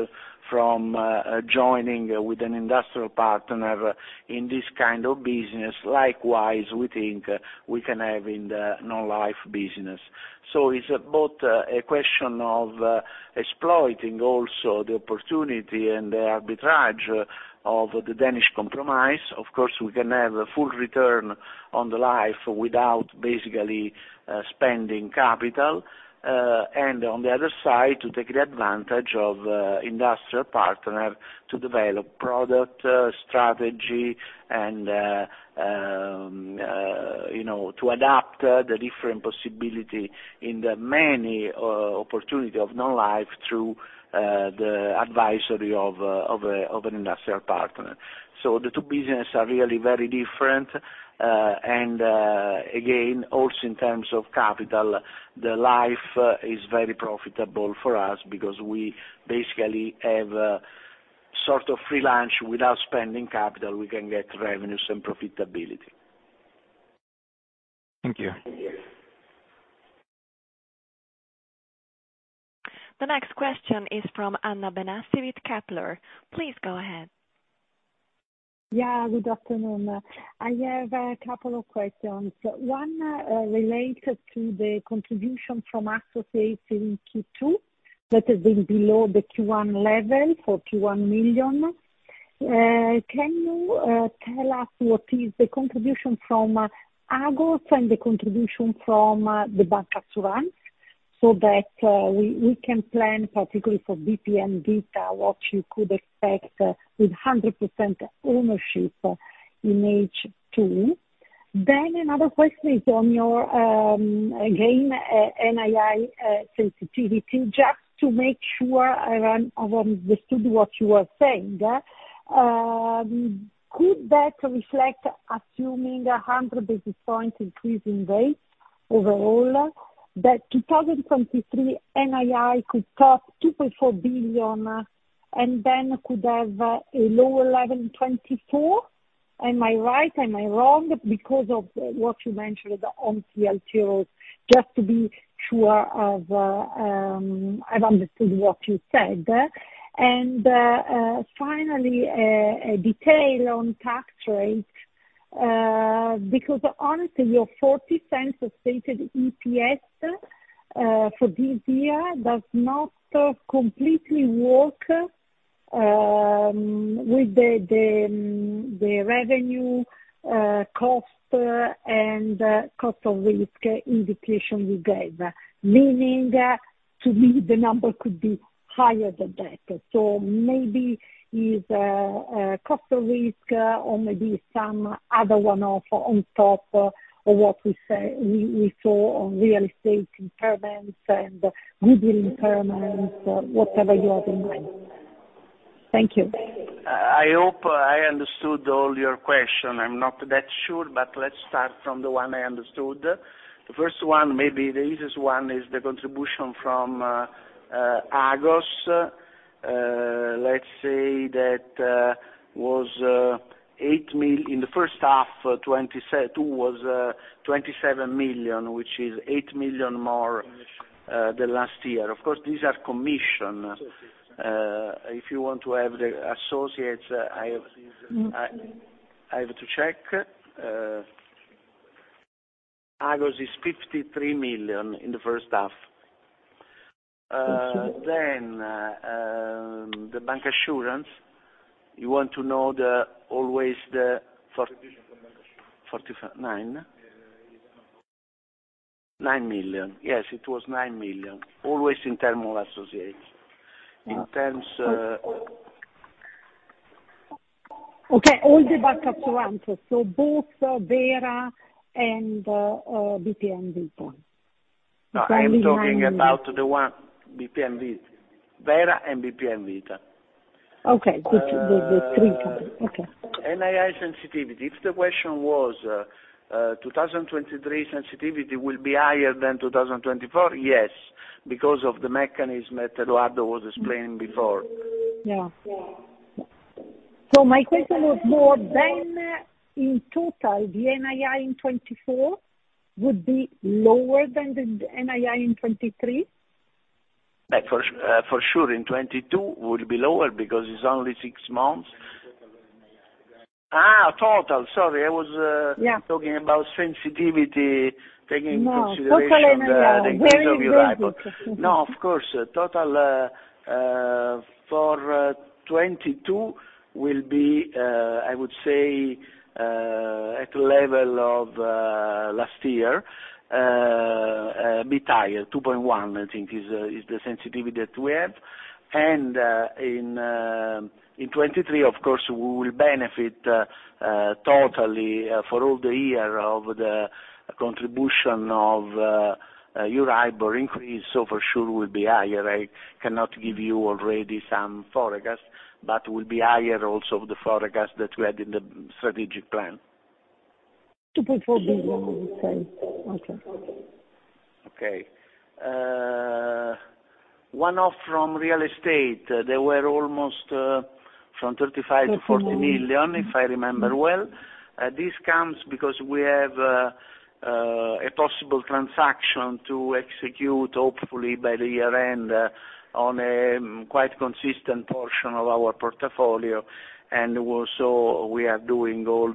from joining with an industrial partner in this kind of business. Likewise, we think we can have in the non-life business. It's both a question of exploiting also the opportunity and the arbitrage of the Danish Compromise. Of course, we can have a full return on the life without basically spending capital. On the other side, to take the advantage of industrial partner to develop product strategy and you know, to adapt the different possibility in the many opportunity of non-life through the advisory of an industrial partner. The two business are really very different. Again, also in terms of capital, the life is very profitable for us because we basically have sort of free lunch. Without spending capital, we can get revenues and profitability. Thank you. Thank you. The next question is from Anna Benassi with Kepler. Please go ahead. Yeah, good afternoon. I have a couple of questions. One, related to the contribution from associates in Q2 that has been below the Q1 level, 41 million. Can you tell us what is the contribution from Agos and the contribution from the Bancassurance, so that we can plan particularly for BPM Vita, what you could expect with 100% ownership in H2? Another question is on your again NII sensitivity, just to make sure I've understood what you are saying. Could that reflect assuming a 100 basis points increase in rates overall, that 2023 NII could top 2.4 billion and then could have a lower level in 2024? Am I right? Am I wrong? Because of what you mentioned on TLTROs, just to be sure I've understood what you said. Finally, a detail on tax rate, because honestly, your €0.40 of stated EPS for this year does not completely work with the revenue, cost, and cost of risk indication you gave. Meaning, to me, the number could be higher than that. So maybe is a cost of risk or maybe some other one-off on top of what we saw on real estate impairments and goodwill impairments, whatever you have in mind. Thank you. I hope I understood all your question. I'm not that sure, but let's start from the one I understood. The first one, maybe the easiest one, is the contribution from Agos. Let's say that was 8 million. In the first half, 2022 was 27 million, which is eight million more than the last year. Of course, these are commission. If you want to have the associates, I have to check. Agos is 53 million in the first half. Thank you. The bancassurance, you want to know the, always. Distribution for bancassurance. 49? Yeah. 9 million. Yes, it was 9 million. Always in terms of associates. Okay, all the bancassurance, so both Vera and BPM Vita. No, I am talking about the one, Vera and BPM Vita. Okay. The three company. Okay. NII sensitivity. If the question was, 2023 sensitivity will be higher than 2024, yes, because of the mechanism that Edoardo was explaining before. My question was more than in total, the NII in 2024 would be lower than the NII in 2023? For sure in 2022 would be lower because it's only six months. Total NII. Total. Sorry. I was talking about sensitivity, taking into consideration No, total NII. Very, very basic. The growth of Euribor. No, of course. Total for 2022 will be, I would say, at level of last year be higher. 2.1, I think, is the sensitivity that we have. In 2023, of course, we will benefit totally for all the year of the contribution of Euribor increase, so for sure will be higher. I cannot give you already some forecast, but will be higher also the forecast that we had in the strategic plan. 2.4 billion, you say. Okay. Okay. One-off from real estate, they were almost from 35 million-40 million, if I remember well. This comes because we have a possible transaction to execute hopefully by year-end on a quite consistent portion of our portfolio. Also, we are doing all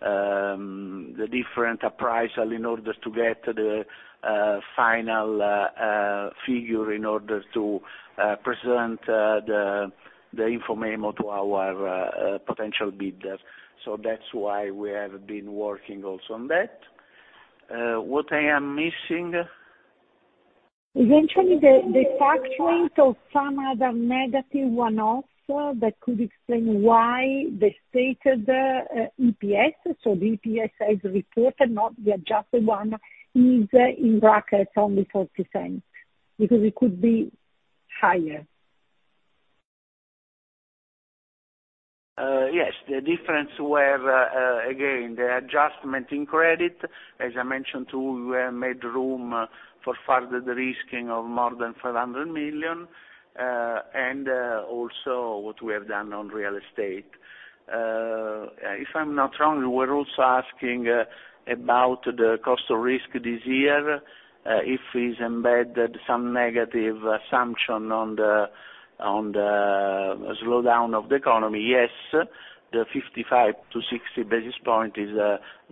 the different appraisal in order to get the final figure in order to present the info memo to our potential bidders. That's why we have been working also on that. What am I missing? Eventually, the factoring to some other negative one-offs that could explain why the stated EPS, so the EPS as reported, not the adjusted one, is in brackets only 0.40. Because it could be higher. Yes. The difference were again the adjustment in credit. As I mentioned too, we have made room for further derisking of more than 500 million, and also what we have done on real estate. If I'm not wrong, we're also asking about the cost of risk this year, if it's embedded some negative assumption on the slowdown of the economy. Yes, the 55-60 basis points is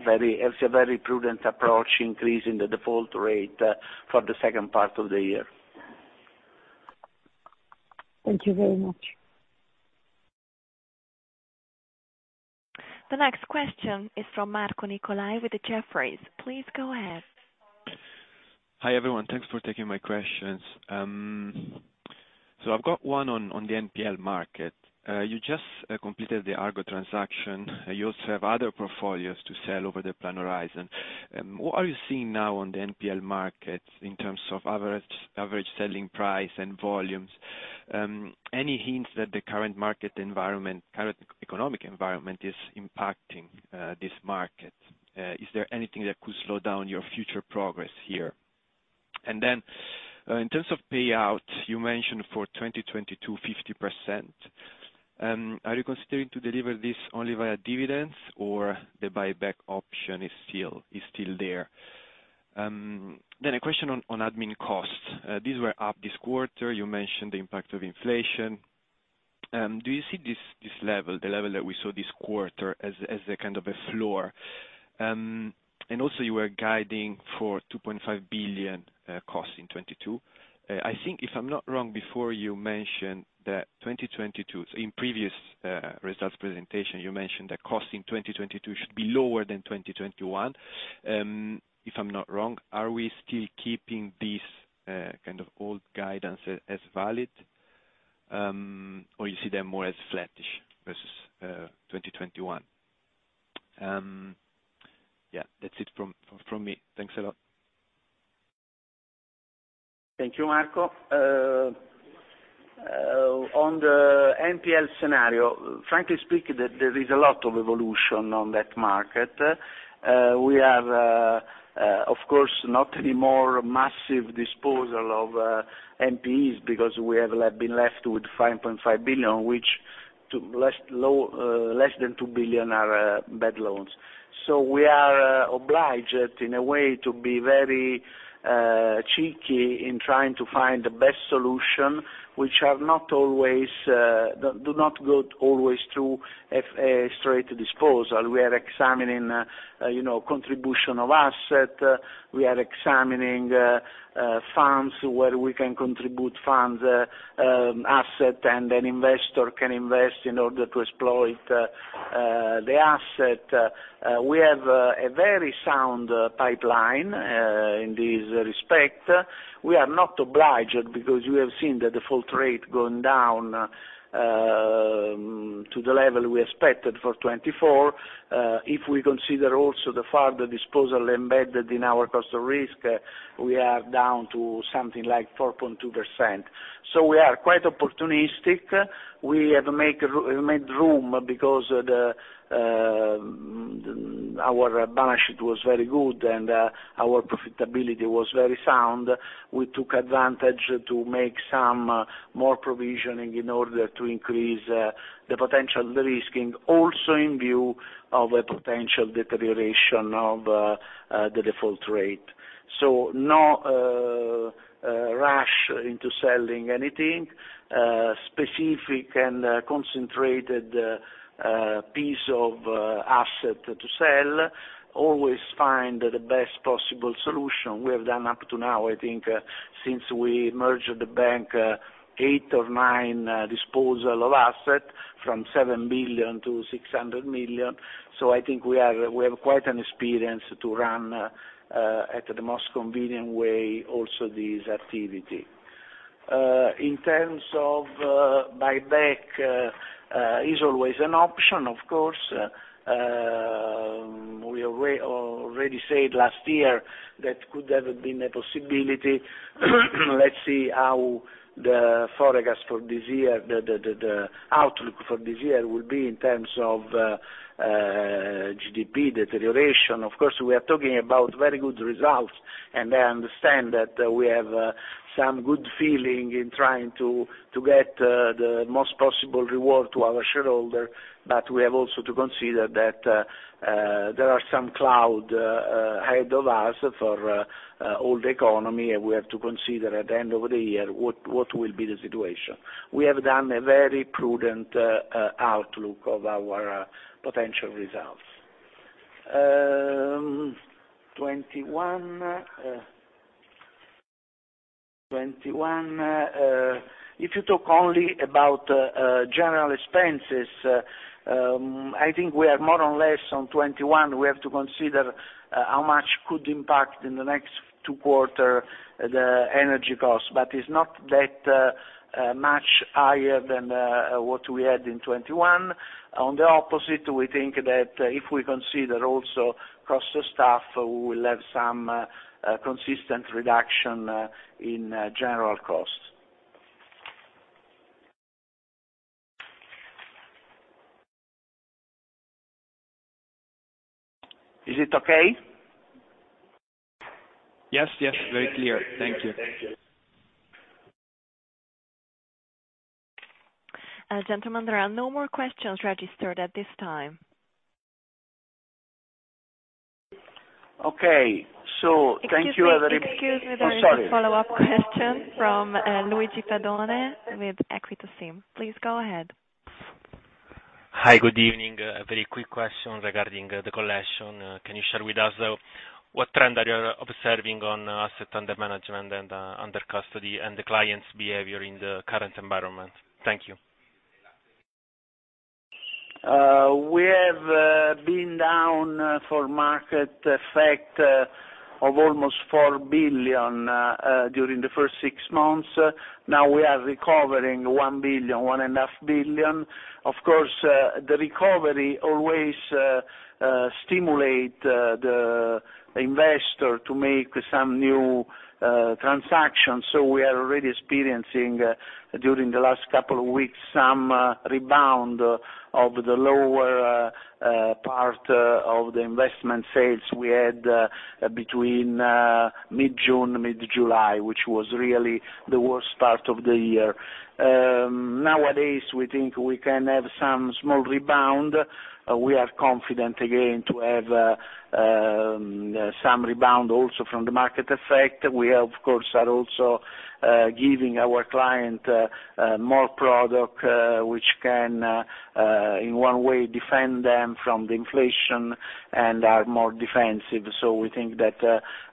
very, it's a very prudent approach increase in the default rate for the second part of the year. Thank you very much. The next question is from Marco Nicolai with Jefferies. Please go ahead. Hi, everyone. Thanks for taking my questions. So I've got one on the NPL market. You just completed the Argo Transaction. You also have other portfolios to sell over the plan horizon. What are you seeing now on the NPL market in terms of average selling price and volumes? Any hints that the current market environment, current economic environment is impacting this market? Is there anything that could slow down your future progress here? Then in terms of payout, you mentioned for 2022, 50%. Are you considering to deliver this only via dividends or the buyback option is still there? Then a question on admin costs. These were up this quarter. You mentioned the impact of inflation. Do you see this level, the level that we saw this quarter as a kind of a floor? Also you were guiding for 2.5 billion costs in 2022. I think if I'm not wrong, before you mentioned that 2022, in previous results presentation, you mentioned that costs in 2022 should be lower than 2021, if I'm not wrong. Are we still keeping this kind of old guidance as valid, or you see them more as flattish versus 2021? Yeah, that's it from me. Thanks a lot. Thank you, Marco. On the NPL scenario, frankly speaking, there is a lot of evolution on that market. We have, of course, not any more massive disposal of NPEs because we have been left with 5.5 billion, of which less than 2 billion of our bad loans. We are obliged in a way to be very cheeky in trying to find the best solution which do not always go through a straight disposal. We are examining, you know, contribution of asset. We are examining funds where we can contribute assets and an investor can invest in order to exploit the asset. We have a very sound pipeline in this respect. We are not obliged because you have seen the default rate going down to the level we expected for 2024. If we consider also the further disposal embedded in our cost of risk, we are down to something like 4.2%. We are quite opportunistic. We have made room because our balance sheet was very good and our profitability was very sound. We took advantage to make some more provisioning in order to increase the potential de-risking, also in view of a potential deterioration of the default rate. No rush into selling anything specific and concentrated piece of asset to sell. Always find the best possible solution we have done up to now. I think since we merged the bank, eight or nine disposals of assets from 7 billion to 600 million. I think we have quite an experience to run at the most convenient way also this activity. In terms of buyback is always an option, of course. We already said last year that could have been a possibility. Let's see how the forecast for this year, the outlook for this year will be in terms of GDP deterioration. Of course, we are talking about very good results, and I understand that we have some good feeling in trying to get the most possible reward to our shareholder. We have also to consider that there are some clouds ahead of us for all the economy, and we have to consider at the end of the year what will be the situation. We have done a very prudent outlook of our potential results. 2021. If you talk only about general expenses, I think we are more or less on 2021. We have to consider how much could impact in the next two quarters the energy cost, but it's not that much higher than what we had in 2021. On the opposite, we think that if we consider also cost of staff, we will have some consistent reduction in general costs. Is it okay? Yes, yes, very clear. Thank you. Gentlemen, there are no more questions registered at this time. Okay, thank you very- Excuse me. Excuse me. Oh, sorry. There is a follow-up question from Luigi De Bellis with Equita SIM. Please go ahead. Hi, good evening. A very quick question regarding the collection. Can you share with us, though, what trend are you observing on asset under management and under custody and the clients' behavior in the current environment? Thank you. We have been down for market effect of almost 4 billion during the first six months. Now we are recovering 1 billion, 1.5 billion. Of course, the recovery always stimulate the investor to make some new transactions. We are already experiencing, during the last couple of weeks, some rebound of the lower part of the investment sales we had between mid-June, mid-July, which was really the worst start of the year. Nowadays we think we can have some small rebound. We are confident again to have some rebound also from the market effect. We of course are also giving our client more product which can in one way defend them from the inflation and are more defensive. We think that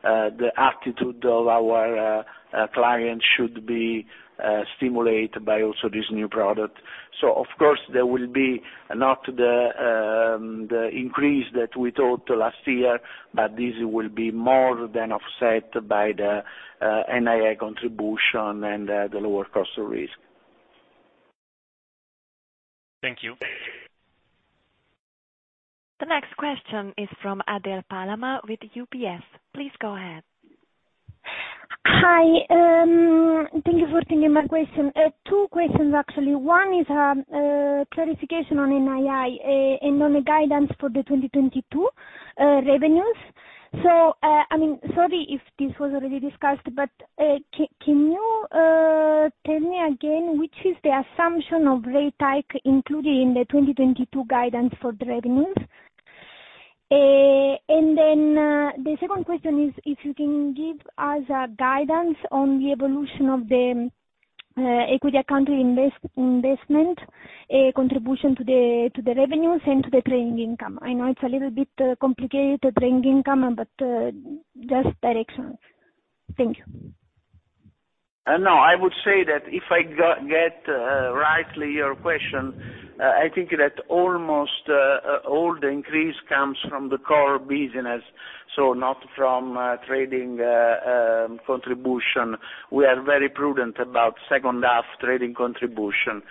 the attitude of our client should be stimulated by also this new product. Of course there will be not the increase that we thought last year, but this will be more than offset by the NII contribution and the lower cost of risk. Thank you. The next question is from Adele Palamà with UBS. Please go ahead. Hi. Thank you for taking my question. Two questions actually. One is, clarification on NII, and on the guidance for the 2022 revenues. I mean, sorry if this was already discussed, but, can you tell me again which is the assumption of rate hike included in the 2022 guidance for the revenues? And then, the second question is if you can give us a guidance on the evolution of the equity accounting investment, a contribution to the revenues and to the trading income. I know it's a little bit complicated, the trading income, but just directional. Thank you. No, I would say that if I get your question right, I think that almost all the increase comes from the core business, so not from trading contribution. We are very prudent about second half trading contribution.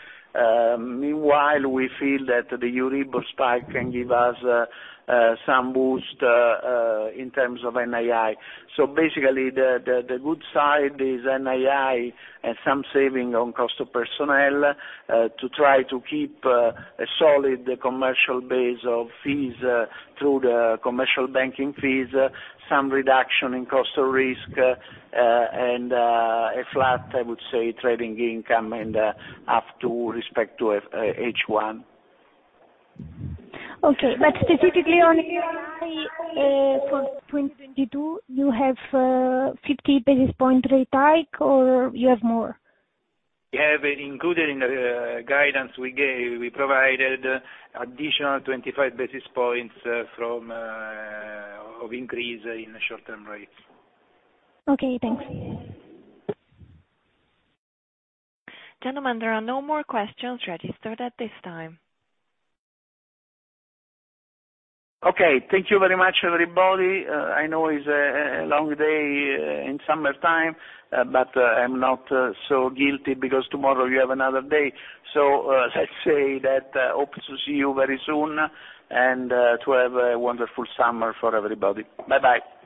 Meanwhile, we feel that the Euribor spike can give us some boost in terms of NII. Basically, the good side is NII and some saving on cost of personnel to try to keep a solid commercial base of fees through the commercial banking fees, some reduction in cost of risk, and a flat, I would say, trading income with respect to H1. Okay. Specifically on NII, for 2022, you have 50 basis point rate hike, or you have more? We have included in the guidance we gave we provided additional 25 basis points from the increase in the short-term rates. Okay, thanks. Gentlemen, there are no more questions registered at this time. Okay. Thank you very much, everybody. I know it's a long day in summertime, but I'm not so guilty because tomorrow you have another day. Let's say that hope to see you very soon and to have a wonderful summer for everybody. Bye-bye.